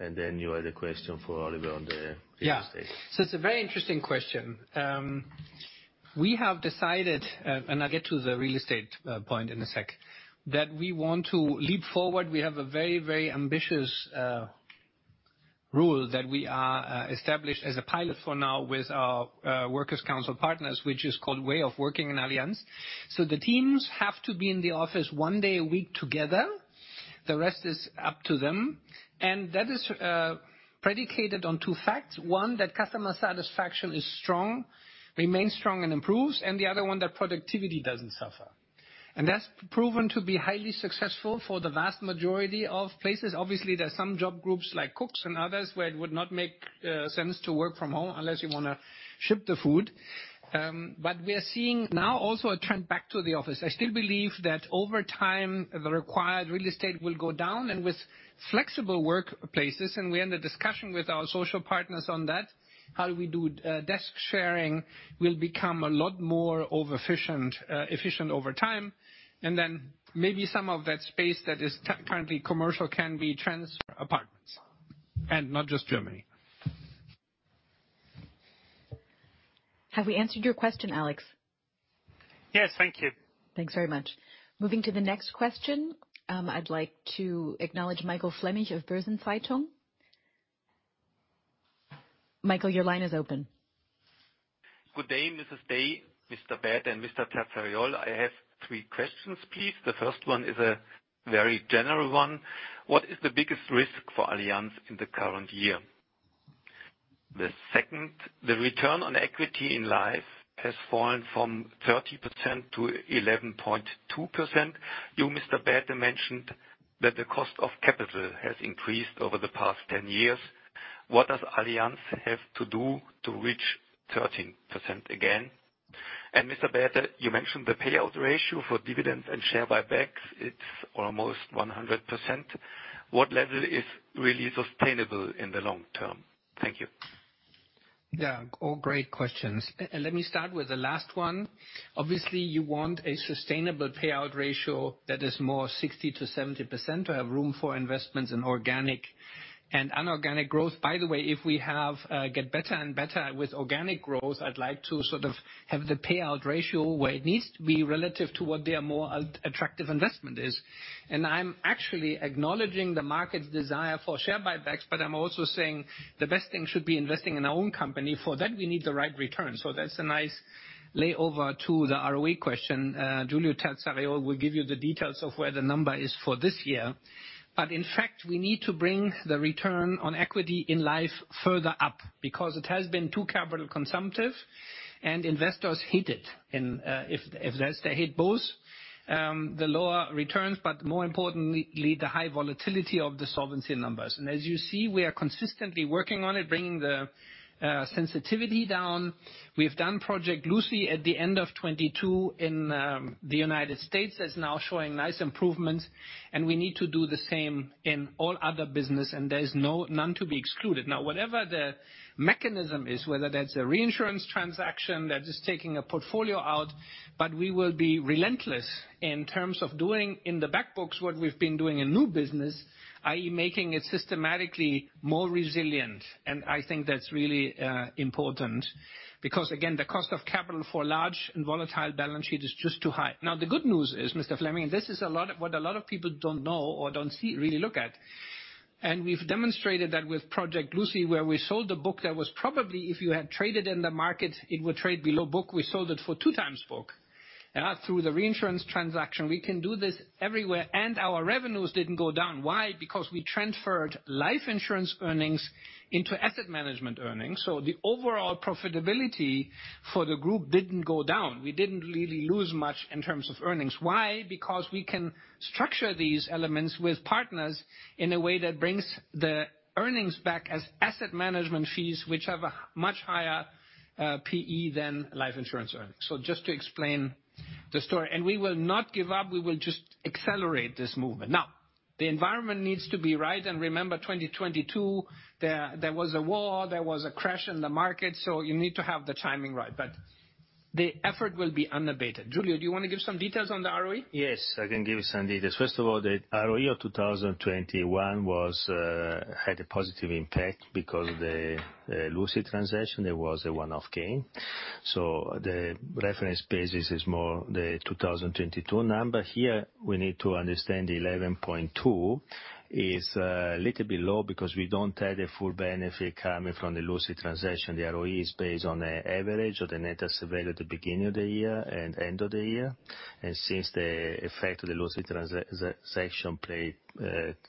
You had a question for Oliver Bäte on the real estate. It's a very interesting question. We have decided, and I'll get to the real estate point in a sec, that we want to leap forward. We have a very, very ambitious rule that we are established as a pilot for now with our workers' council partners, which is called Way of Working in Allianz. The teams have to be in the office one day a week together. The rest is up to them. That is predicated on two facts. One, that customer satisfaction is strong, remains strong and improves, and the other one, that productivity doesn't suffer. That's proven to be highly successful for the vast majority of places. Obviously, there are some job groups like cooks and others, where it would not make sense to work from home unless you wanna ship the food. We are seeing now also a trend back to the office. I still believe that over time, the required real estate will go down, and with flexible work places, and we're in a discussion with our social partners on that, how we do, desk sharing will become a lot more efficient over time. Maybe some of that space that is currently commercial can be transfer apartments, and not just Germany. Have we answered your question, Alex? Yes. Thank you. Thanks very much. Moving to the next question, I'd like to acknowledge Michael Fleming of Börsen-Zeitung. Michael, your line is open. Good day, Lauren Day, Mr. Bäte and Mr. Terzariol. I have three questions, please. The first one is a very general one. What is the biggest risk for Allianz in the current year? The second, the return on equity in Life has fallen from 30% to 11.2%. You, Mr. Bäte, mentioned that the cost of capital has increased over the past 10 years. What does Allianz have to do to reach 13% again? Mr. Bäte, you mentioned the payout ratio for dividends and share buybacks, it's almost 100%. What level is really sustainable in the long term? Thank you. Yeah. All great questions. Let me start with the last one. Obviously, you want a sustainable payout ratio that is more 60% to 70% to have room for investments in organic and inorganic growth. By the way, if we have, get better and better with organic growth, I'd like to sort of have the payout ratio where it needs to be relative to what their more attractive investment is. I'm actually acknowledging the market's desire for share buybacks, but I'm also saying the best thing should be investing in our own company. For that, we need the right return. That's a nice layover to the ROE question. Giulio Terzariol will give you the details of where the number is for this year. In fact, we need to bring the return on equity in Life further up because it has been too capital consumptive and investors hate it. They hate both the lower returns, but more importantly, the high volatility of the solvency numbers. As you see, we are consistently working on it, bringing the sensitivity down. We've done Project Lucy at the end of 2022 in the United States. That's now showing nice improvements, and we need to do the same in all other business, and there is no, none to be excluded. Whatever the mechanism is, whether that's a reinsurance transaction, that is taking a portfolio out, but we will be relentless in terms of doing in the back books what we've been doing in new business, i.e., making it systematically more resilient. I think that's really important because again, the cost of capital for large and volatile balance sheet is just too high. The good news is, Mr. Fleming, this is a lot, what a lot of people don't know or don't see, really look at. We've demonstrated that with Project Lucy, where we sold a book that was probably, if you had traded in the market, it would trade below book. We sold it for 2 times book. Through the reinsurance transaction, we can do this everywhere, and our revenues didn't go down. Why? Because we transferred life insurance earnings into asset management earnings. The overall profitability for the group didn't go down. We didn't really lose much in terms of earnings. Why? We can structure these elements with partners in a way that brings the earnings back as asset management fees, which have a much higher PE than life insurance earnings. Just to explain the story. We will not give up. We will just accelerate this movement. The environment needs to be right. Remember, 2022, there was a war, there was a crash in the market, so you need to have the timing right. The effort will be unabated. Giulio, do you wanna give some details on the ROE? Yes, I can give you some details. First of all, the ROE of 2021 was had a positive impact because of the Lucy transaction, there was a one-off gain. The reference basis is more the 2022 number. Here, we need to understand 11.2 is little bit low because we don't have the full benefit coming from the Lucy transaction. The ROE is based on the average of the net as available at the beginning of the year and end of the year. Since the effect of the Lucy transaction played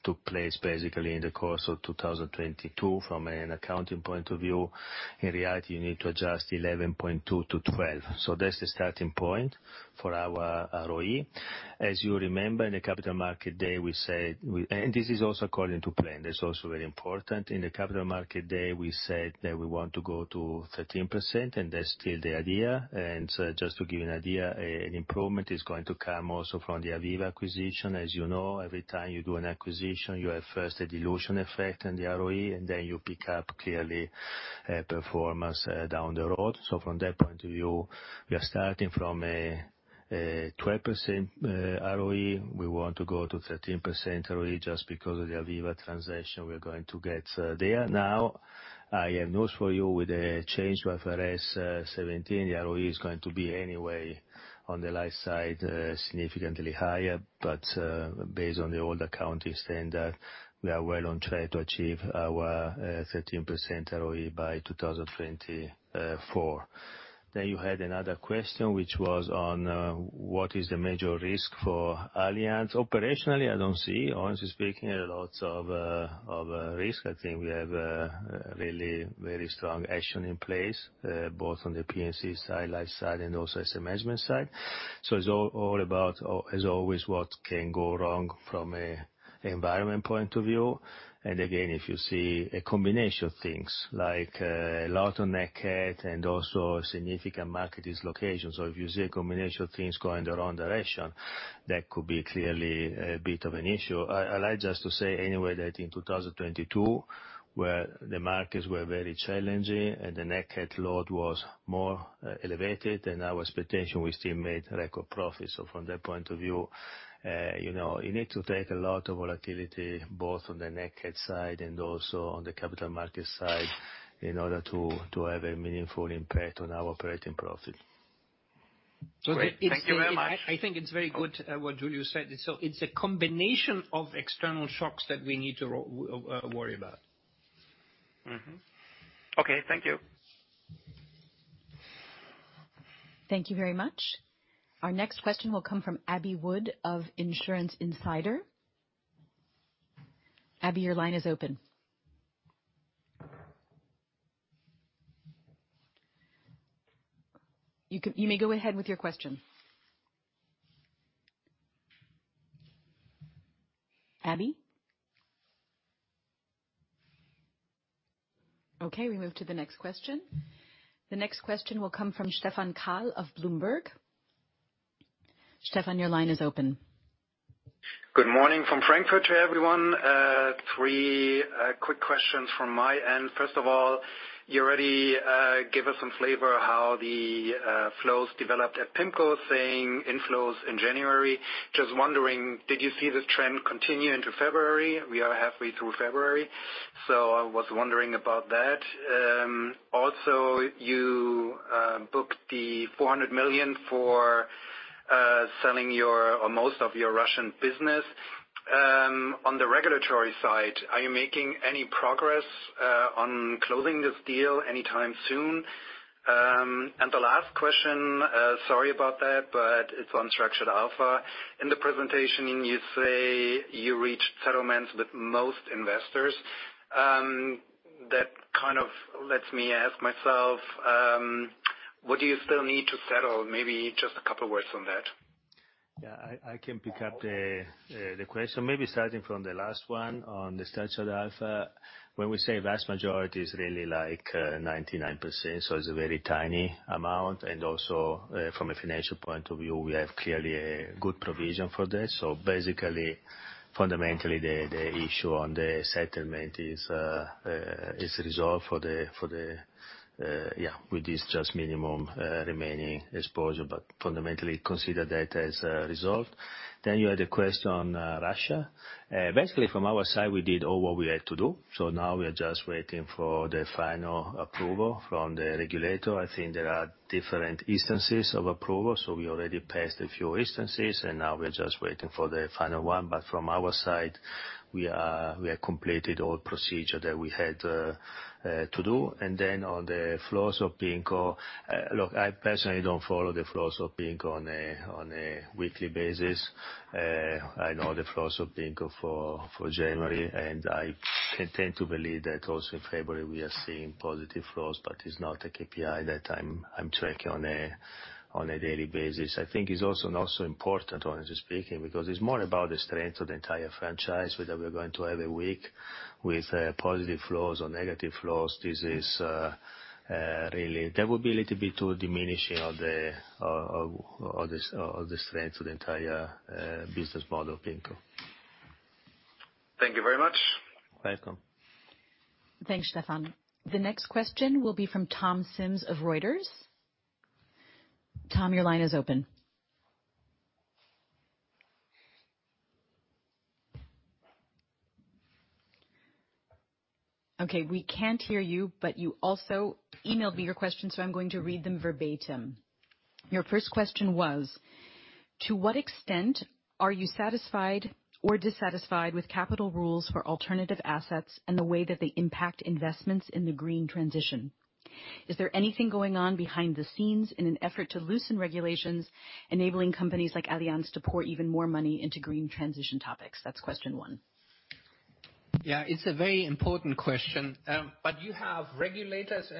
took place basically in the course of 2022 from an accounting point of view, in reality, you need to adjust 11.2 to 12. That's the starting point for our ROE. As you remember, in the capital market day, we said this is also according to plan. That's also very important. In the capital market day, we said that we want to go to 13%, that's still the idea. Just to give you an idea, an improvement is going to come also from the Aviva acquisition. As you know, every time you do an acquisition, you have first a dilution effect on the ROE, then you pick up clearly performance down the road. From that point of view, we are starting from a 12% ROE, we want to go to 13% ROE just because of the Aviva transaction we are going to get there now. I have news for you. With the change of IFRS 17, the ROE is going to be anyway on the life side, significantly higher. Based on the old accounting standard, we are well on track to achieve our 13% ROE by 2024. You had another question, which was on what is the major risk for Allianz? Operationally, I don't see, honestly speaking, lots of risk. I think we have really very strong action in place both on the P&C side, life side, and also asset management side. It's all about, as always, what can go wrong from a environment point of view. Again, if you see a combination of things like lot on Nat Cat and also significant market dislocations. If you see a combination of things going the wrong direction, that could be clearly a bit of an issue. I'd like just to say anyway that in 2022, where the markets were very challenging and the Nat Cat load was more elevated than our expectation, we still made record profit. From that point of view, you know, you need to take a lot of volatility both on the Nat Cat side and also on the capital market side in order to have a meaningful impact on our operating profit. Great. Thank you very much. I think it's very good, what Giulio said. It's a combination of external shocks that we need to worry about. Okay, thank you. Thank you very much. Our next question will come from Abbie Wood of Insurance Insider. Abby, your line is open. You may go ahead with your question. Abby? Okay, we move to the next question. The next question will come from Stephan Kahl of Bloomberg. Stefan, your line is open. Good morning from Frankfurt to everyone. Three quick questions from my end. First of all, you already gave us some flavor how the flows developed at PIMCO, saying inflows in January. Just wondering, did you see the trend continue into February? We are halfway through February, so I was wondering about that. Also, you booked 400 million for selling your or most of your Russian business. On the regulatory side, are you making any progress on closing this deal anytime soon? The last question, sorry about that, but it's on Structured Alpha. In the presentation you say you reached settlements with most investors, that kind of lets me ask myself, what do you still need to settle? Maybe just a couple words on that. I can pick up the question. Maybe starting from the last one on the Structured Alpha. When we say vast majority is really like 99%, so it's a very tiny amount. Also, from a financial point of view, we have clearly a good provision for that. Basically, fundamentally, the issue on the settlement is resolved for the, for the, yeah, with this just minimum remaining exposure, but fundamentally consider that as resolved. You had a question on Russia. Basically from our side, we did all what we had to do, now we are just waiting for the final approval from the regulator. I think there are different instances of approval, we already passed a few instances and now we're just waiting for the final one. From our side, we are completed all procedure that we had to do. On the flows of PIMCO. Look, I personally don't follow the flows of PIMCO on a weekly basis. I know the flows of PIMCO for January, I can tend to believe that also in February we are seeing positive flows, it's not a KPI that I'm tracking on a daily basis. I think it's also not so important, honestly speaking, because it's more about the strength of the entire franchise. Whether we're going to have a week with positive flows or negative flows, this is really. That would be a little bit too diminishing of the strength of the entire business model of PIMCO. Thank you very much. Welcome. Thanks, Stephan. The next question will be from Tom Sims of Reuters. Tom, your line is open. Okay, we can't hear you, but you also emailed me your question, so I'm going to read them verbatim. Your first question was: To what extent are you satisfied or dissatisfied with capital rules for alternative assets and the way that they impact investments in the green transition? Is there anything going on behind the scenes in an effort to loosen regulations, enabling companies like Allianz to pour even more money into green transition topics? That's question one. Yeah, it's a very important question. You have regulators,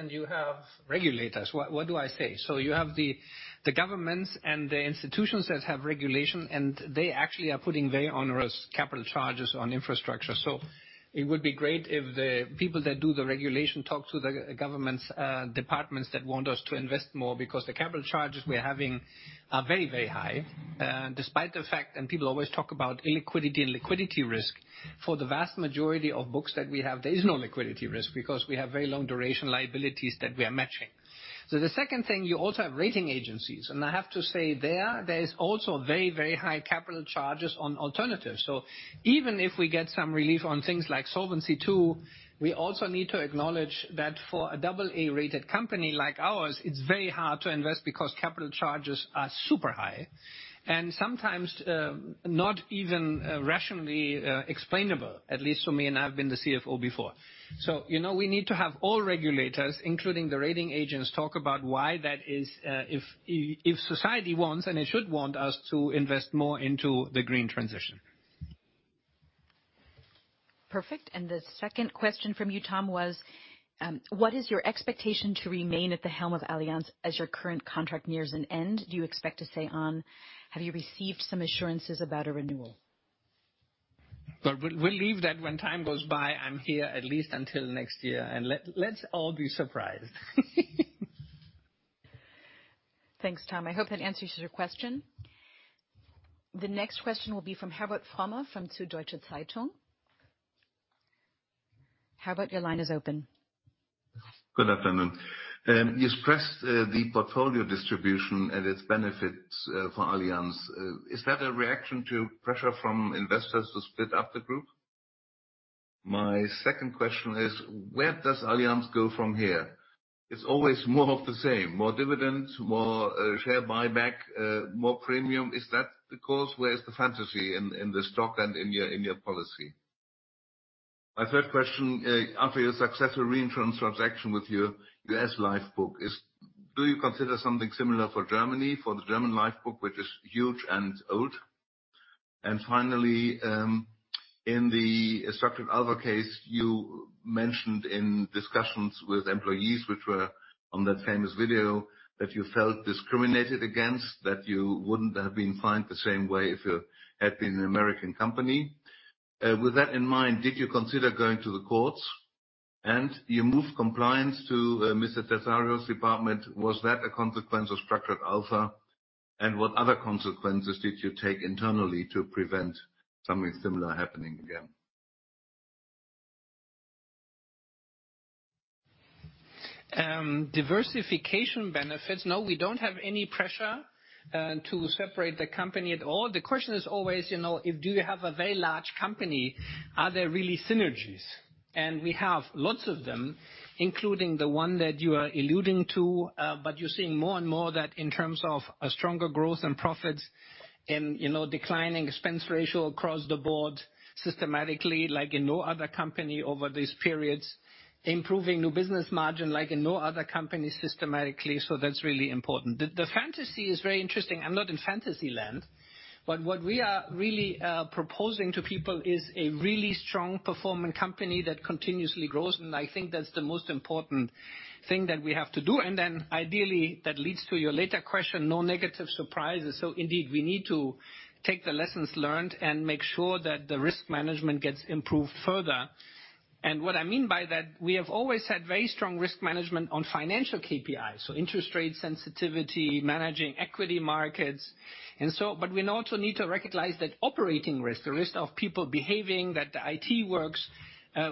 what do I say? You have the governments and the institutions that have regulations, and they actually are putting very onerous capital charges on infrastructure. It would be great if the people that do the regulation talk to the government's departments that want us to invest more because the capital charges we're having are very, very high. Despite the fact, people always talk about illiquidity and liquidity risk, for the vast majority of books that we have, there is no liquidity risk because we have very long duration liabilities that we are matching. The second thing, you also have rating agencies. I have to say there is also very, very high capital charges on alternatives. Even if we get some relief on things like Solvency II, we also need to acknowledge that for an AA-rated company like ours, it's very hard to invest because capital charges are super high and sometimes, not even rationally explainable, at least for me, and I've been the CFO before. You know, we need to have all regulators, including the rating agents, talk about why that is, if society wants, and it should want us, to invest more into the green transition. Perfect. The second question from you, Tom, was, what is your expectation to remain at the helm of Allianz as your current contract nears an end? Do you expect to stay on? Have you received some assurances about a renewal? Well, we'll leave that when time goes by. I'm here at least until next year. Let's all be surprised. Thanks, Tom. I hope that answers your question. The next question will be from Herbert Fromme from Süddeutsche Zeitung. Herbert, your line is open. Good afternoon. You expressed the portfolio distribution and its benefits for Allianz. Is that a reaction to pressure from investors to split up the group? My second question is, where does Allianz go from here? It's always more of the same: more dividends, more share buyback, more premium. Is that the course? Where's the fantasy in the stock and in your policy? My third question, after your successful reinsurance transaction with your U.S. Life book is do you consider something similar for Germany, for the German Life book, which is huge and old? Finally, in the Structured Alpha case, you mentioned in discussions with employees, which were on that famous video, that you felt discriminated against, that you wouldn't have been fined the same way if you had been an American company. With that in mind, did you consider going to the courts? You moved compliance to, Christopher Townsend's department. Was that a consequence of Structured Alpha? What other consequences did you take internally to prevent something similar happening again? Diversification benefits. No, we don't have any pressure, to separate the company at all. The question is always, you know, if you have a very large company, are there really synergies? We have lots of them, including the one that you are alluding to. You're seeing more and more that in terms of a stronger growth and profits and, you know, declining expense ratio across the board systematically like in no other company over these periods, improving new business margin like in no other company systematically. That's really important. The, the fantasy is very interesting. I'm not in fantasy land, but what we are really, proposing to people is a really strong performing company that continuously grows, and I think that's the most important thing that we have to do. Then ideally, that leads to your later question, no negative surprises. Indeed, we need to take the lessons learned and make sure that the risk management gets improved further. What I mean by that, we have always had very strong risk management on financial KPIs, so interest rate sensitivity, managing equity markets, and so. We also need to recognize that operating risk, the risk of people behaving, that the IT works,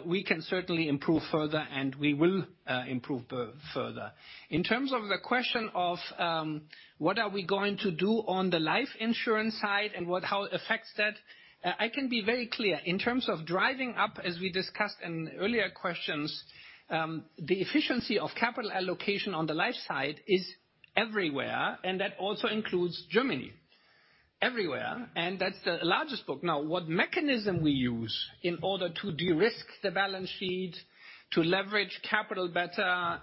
we can certainly improve further, and we will improve further. In terms of the question of what are we going to do on the life insurance side and what, how it affects that, I can be very clear. In terms of driving up, as we discussed in earlier questions, the efficiency of capital allocation on the life side is everywhere, and that also includes Germany. Everywhere. That's the largest book. Now, what mechanism we use in order to de-risk the balance sheet, to leverage capital better,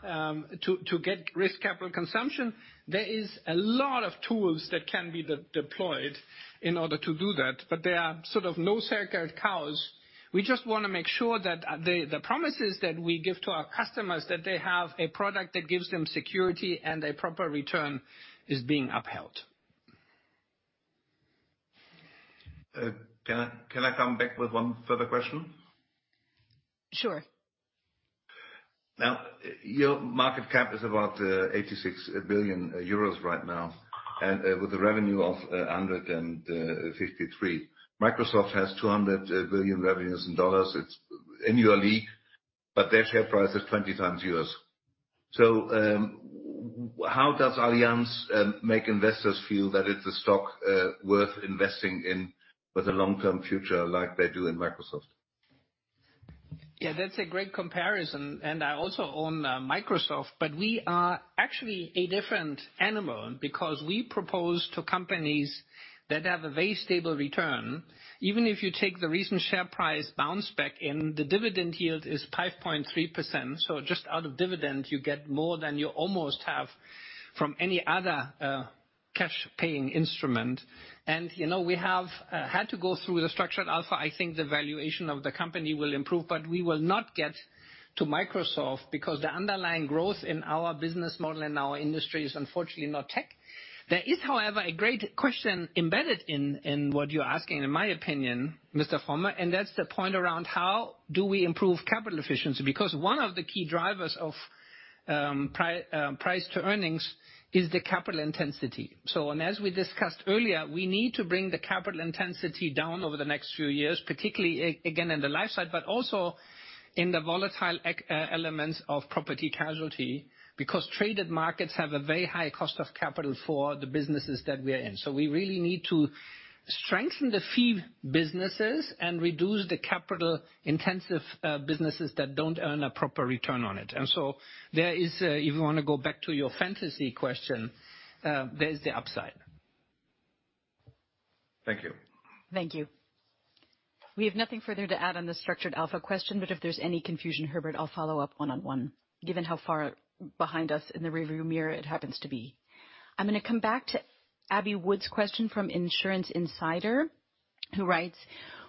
to get risk capital consumption, there is a lot of tools that can be de-deployed in order to do that, but there are sort of no sacred cows. We just wanna make sure that the promises that we give to our customers, that they have a product that gives them security and a proper return, is being upheld. Can I come back with one further question? Sure. Your market cap is about 86 billion euros right now and with a revenue of 153. Microsoft has $200 billion revenues. It's in your league, but their share price is 20 times yours. How does Allianz make investors feel that it's a stock worth investing in with a long-term future like they do in Microsoft? That's a great comparison. I also own Microsoft. We are actually a different animal because we propose to companies that have a very stable return. Even if you take the recent share price bounce back in, the dividend yield is 5.3%. Just out of dividend, you get more than you almost have from any other. Cash paying instrument. You know, we have had to go through the Structured Alpha. I think the valuation of the company will improve, but we will not get to Microsoft because the underlying growth in our business model and our industry is unfortunately not tech. There is, however, a great question embedded in what you're asking, in my opinion, Mr. Fromme, and that's the point around how do we improve capital efficiency? One of the key drivers of price to earnings is the capital intensity. As we discussed earlier, we need to bring the capital intensity down over the next few years, particularly again, in the life side, but also in the volatile elements of property casualty, because traded markets have a very high cost of capital for the businesses that we are in. We really need to strengthen the fee businesses and reduce the capital intensive businesses that don't earn a proper return on it. If you wanna go back to your fantasy question, there is the upside. Thank you. Thank you. We have nothing further to add on the Structured Alpha question, but if there's any confusion, Herbert, I'll follow up one-on-one, given how far behind us in the rearview mirror it happens to be. I'm gonna come back to Abbie Wood's question from Insurance Insider, who writes,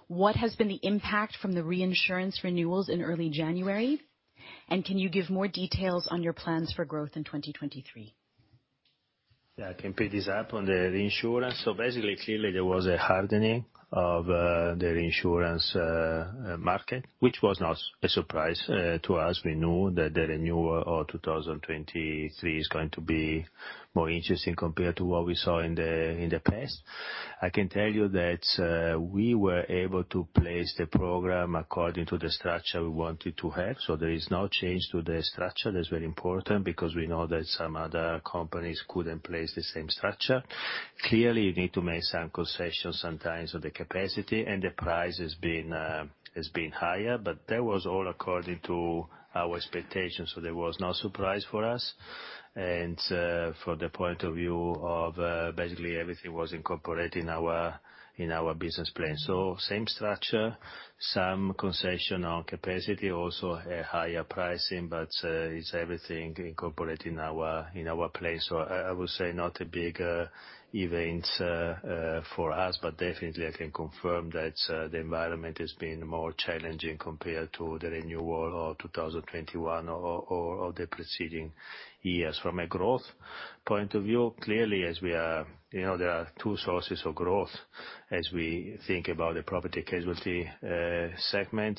"What has been the impact from the reinsurance renewals in early January? Can you give more details on your plans for growth in 2023? Yeah, I can pick this up on the reinsurance. Basically clearly there was a hardening of the reinsurance market, which was not a surprise to us. We knew that the renewal of 2023 is going to be more interesting compared to what we saw in the past. I can tell you that we were able to place the program according to the structure we wanted to have. There is no change to the structure. That's very important because we know that some other companies couldn't place the same structure. Clearly, you need to make some concessions sometimes on the capacity and the price has been higher. That was all according to our expectations. There was no surprise for us. From the point of view of basically everything was incorporated in our business plan. Same structure, some concession on capacity, also a higher pricing, but it's everything incorporated in our place. I would say not a big event for us. Definitely I can confirm that the environment has been more challenging compared to the renewal of 2021 or the preceding years. From a growth point of view, clearly, you know, there are two sources of growth as we think about the property casualty segment.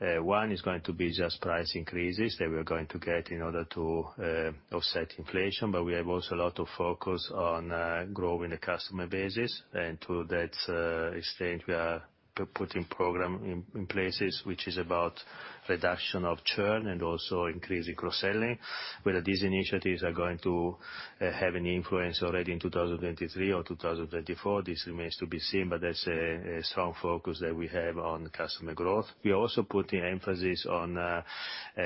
One is going to be just price increases that we're going to get in order to offset inflation. We have also a lot of focus on growing the customer bases. To that extent, we are putting program in places which is about reduction of churn and also increasing cross-selling. Whether these initiatives are going to have any influence already in 2023 or 2024, this remains to be seen, but that's a strong focus that we have on customer growth. We're also putting emphasis on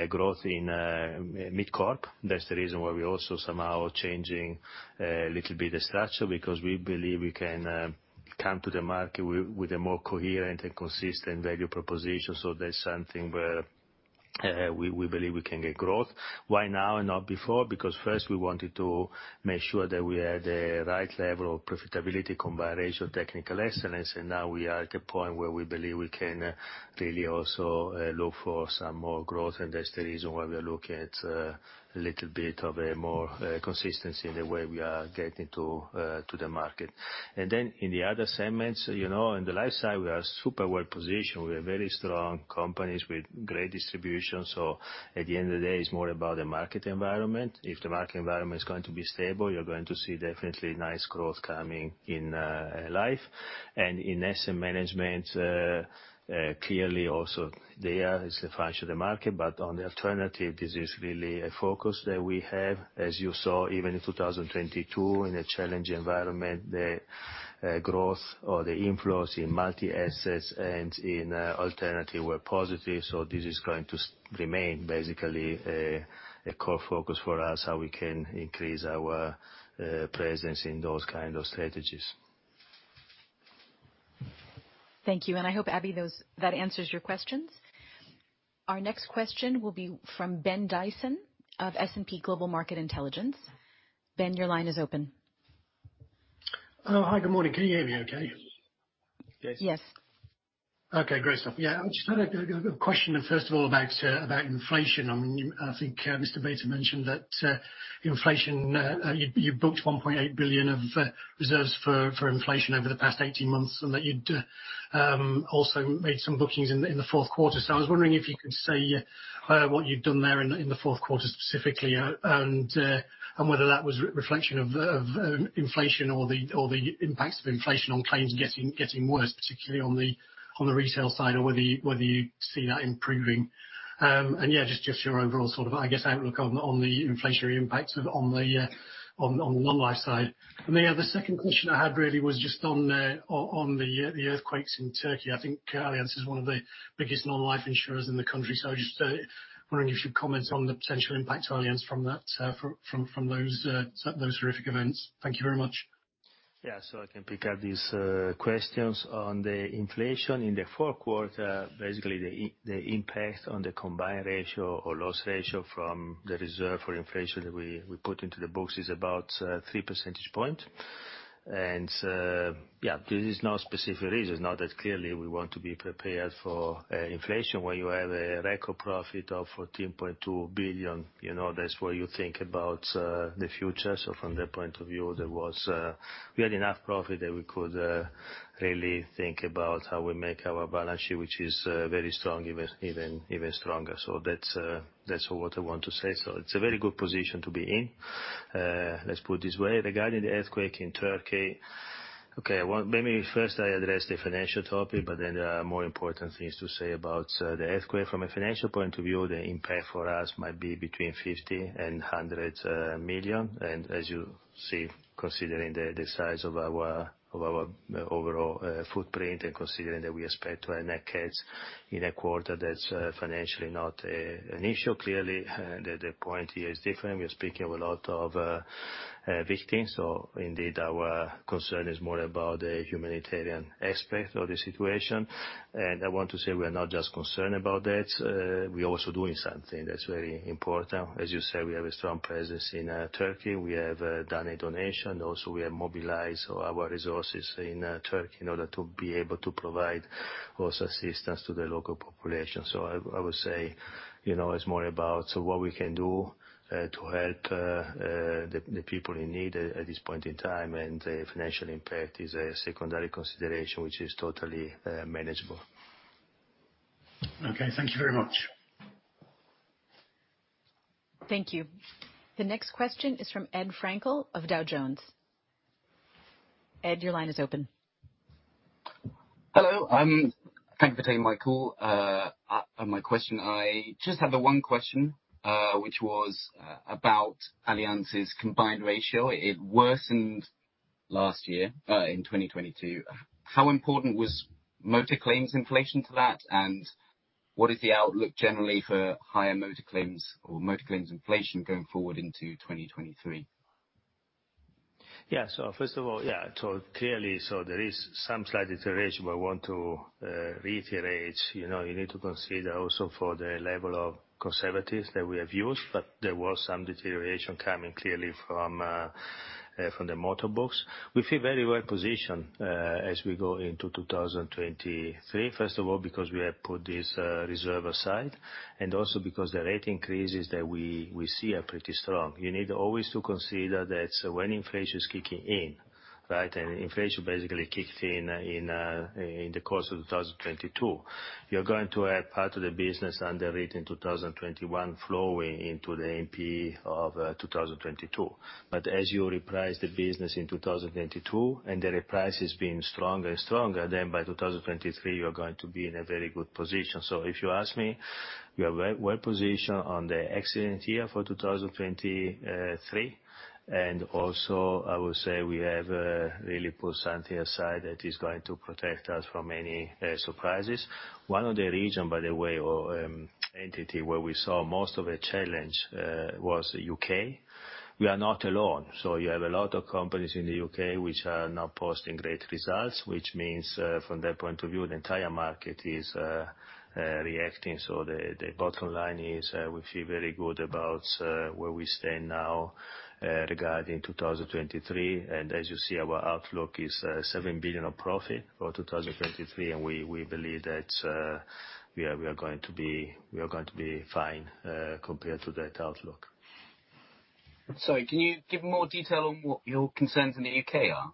growth in MidCorp. That's the reason why we're also somehow changing a little bit of structure, because we believe we can come to the market with a more coherent and consistent value proposition. That's something where we believe we can get growth. Why now and not before? First we wanted to make sure that we had the right level of profitability combination, technical excellence, and now we are at the point where we believe we can really also look for some more growth, and that's the reason why we are looking at a little bit of a more consistency in the way we are getting to the market. In the other segments, you know, in the Life side, we are super well positioned. We are very strong companies with great distribution. At the end of the day, it's more about the market environment. If the market environment is going to be stable, you're going to see definitely nice growth coming in Life. In asset management, clearly also there it's a function of the market, but on the alternative, this is really a focus that we have. As you saw, even in 2022, in a challenging environment, the growth or the inflows in multi-assets and in alternative were positive. This is going to remain basically a core focus for us, how we can increase our presence in those kind of strategies. Thank you. I hope, Abbie, that answers your questions. Our next question will be from Ben Dyson of S&P Global Market Intelligence. Ben, your line is open. Oh, hi. Good morning. Can you hear me okay? Yes. Okay, great stuff. Yeah. I just had a question first of all about inflation. I mean, I think Mr. Bäte mentioned that inflation, you booked 1.8 billion of reserves for inflation over the past 18 months, and that you'd also made some bookings in the fourth quarter. I was wondering if you could say what you've done there in the fourth quarter specifically, and whether that was a reflection of inflation or the impacts of inflation on claims getting worse, particularly on the retail side, or whether you see that improving. And yeah, just your overall sort of, I guess, outlook on the inflationary impacts of on the non-life side. The second question I had really was just on the earthquakes in Turkey. I think Allianz is one of the biggest non-life insurers in the country. I just wondering if you'd comment on the potential impact to Allianz from that, from those horrific events. Thank you very much. I can pick up these questions on the inflation in the fourth quarter. Basically, the impact on the combined ratio or loss ratio from the reserve for inflation that we put into the books is about 3 percentage point. There is no specific reason. Now that clearly we want to be prepared for inflation. When you have a record profit of 14.2 billion, you know, that's where you think about the future. From that point of view, there was, we had enough profit that we could really think about how we make our balance sheet, which is very strong, even stronger. That's, that's what I want to say. It's a very good position to be in, let's put it this way. Regarding the earthquake in Turkey, okay, well, maybe first I address the financial topic, but then there are more important things to say about the earthquake. From a financial point of view, the impact for us might be between 50 million and 100 million. As you see, considering the size of our overall footprint and considering that we expect to have net cash in a quarter, that's financially not an issue. Clearly, the point here is different. We are speaking of a lot of victims. Indeed, our concern is more about the humanitarian aspect of the situation. I want to say we are not just concerned about that, we're also doing something that's very important. As you said, we have a strong presence in Turkey. We have done a donation. Also, we have mobilized our resources in Turkey in order to be able to provide also assistance to the local population. I would say, you know, it's more about so what we can do to help the people in need at this point in time. The financial impact is a secondary consideration, which is totally manageable. Okay. Thank you very much. Thank you. The next question is from Ed Frankl of Dow Jones. Ed, your line is open. Hello, thank you for taking my call. My question, I just have the one question, which was about Allianz's combined ratio. It worsened last year, in 2022. How important was motor claims inflation to that? What is the outlook generally for higher motor claims or motor claims inflation going forward into 2023? Yeah. First of all, yeah, so clearly, so there is some slight deterioration, but I want to reiterate, you know, you need to consider also for the level of conservatives that we have used. There was some deterioration coming clearly from the motor books. We feel very well positioned as we go into 2023. First of all, because we have put this reserve aside and also because the rate increases that we see are pretty strong. You need always to consider that when inflation is kicking in, right, and inflation basically kicked in in the course of 2022, you're going to have part of the business underwriting 2021 flowing into the MP of 2022. As you reprice the business in 2022, and the price is being stronger and stronger, then by 2023, you are going to be in a very good position. If you ask me, we are very well positioned on the accident year for 2023. Also I would say we have really put something aside that is going to protect us from any surprises. One of the reason, by the way, or entity where we saw most of the challenge was UK. We are not alone. You have a lot of companies in the UK which are now posting great results, which means, from their point of view, the entire market is reacting. The bottom line is, we feel very good about where we stand now regarding 2023. As you see, our outlook is 7 billion of profit for 2023. We believe that we are going to be fine compared to that outlook. Sorry, can you give more detail on what your concerns in the UK are?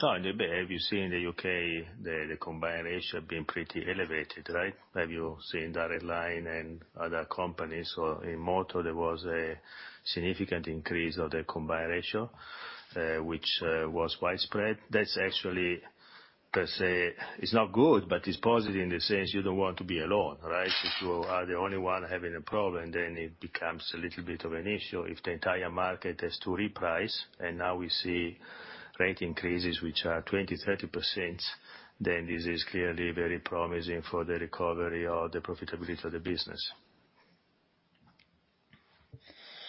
No. Have you seen in the U.K. the combined ratio being pretty elevated, right? Have you seen Direct Line and other companies, or in motor there was a significant increase of the combined ratio, which was widespread. That's actually per se, it's not good, but it's positive in the sense you don't want to be alone, right? If you are the only one having a problem, then it becomes a little bit of an issue. If the entire market has to reprice and now we see rate increases which are 20%, 30%, then this is clearly very promising for the recovery or the profitability of the business.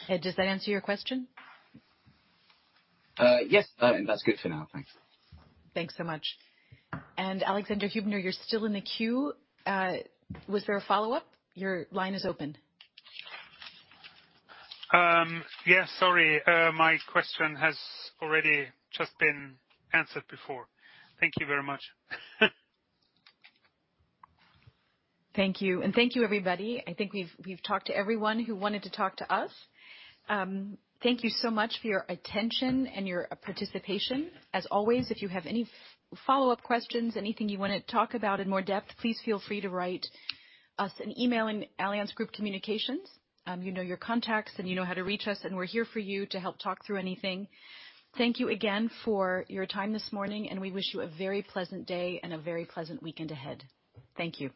Ed, does that answer your question? Yes, that's good for now. Thanks. Thanks so much. Alexander Huebner, you're still in the queue. Was there a follow-up? Your line is open. Yes. Sorry. My question has already just been answered before. Thank you very much. Thank you. Thank you, everybody. I think we've talked to everyone who wanted to talk to us. Thank you so much for your attention and your participation. As always, if you have any follow-up questions, anything you wanna talk about in more depth, please feel free to write us an email in Allianz Group Communications. You know your contacts and you know how to reach us, and we're here for you to help talk through anything. Thank you again for your time this morning, and we wish you a very pleasant day and a very pleasant weekend ahead. Thank you.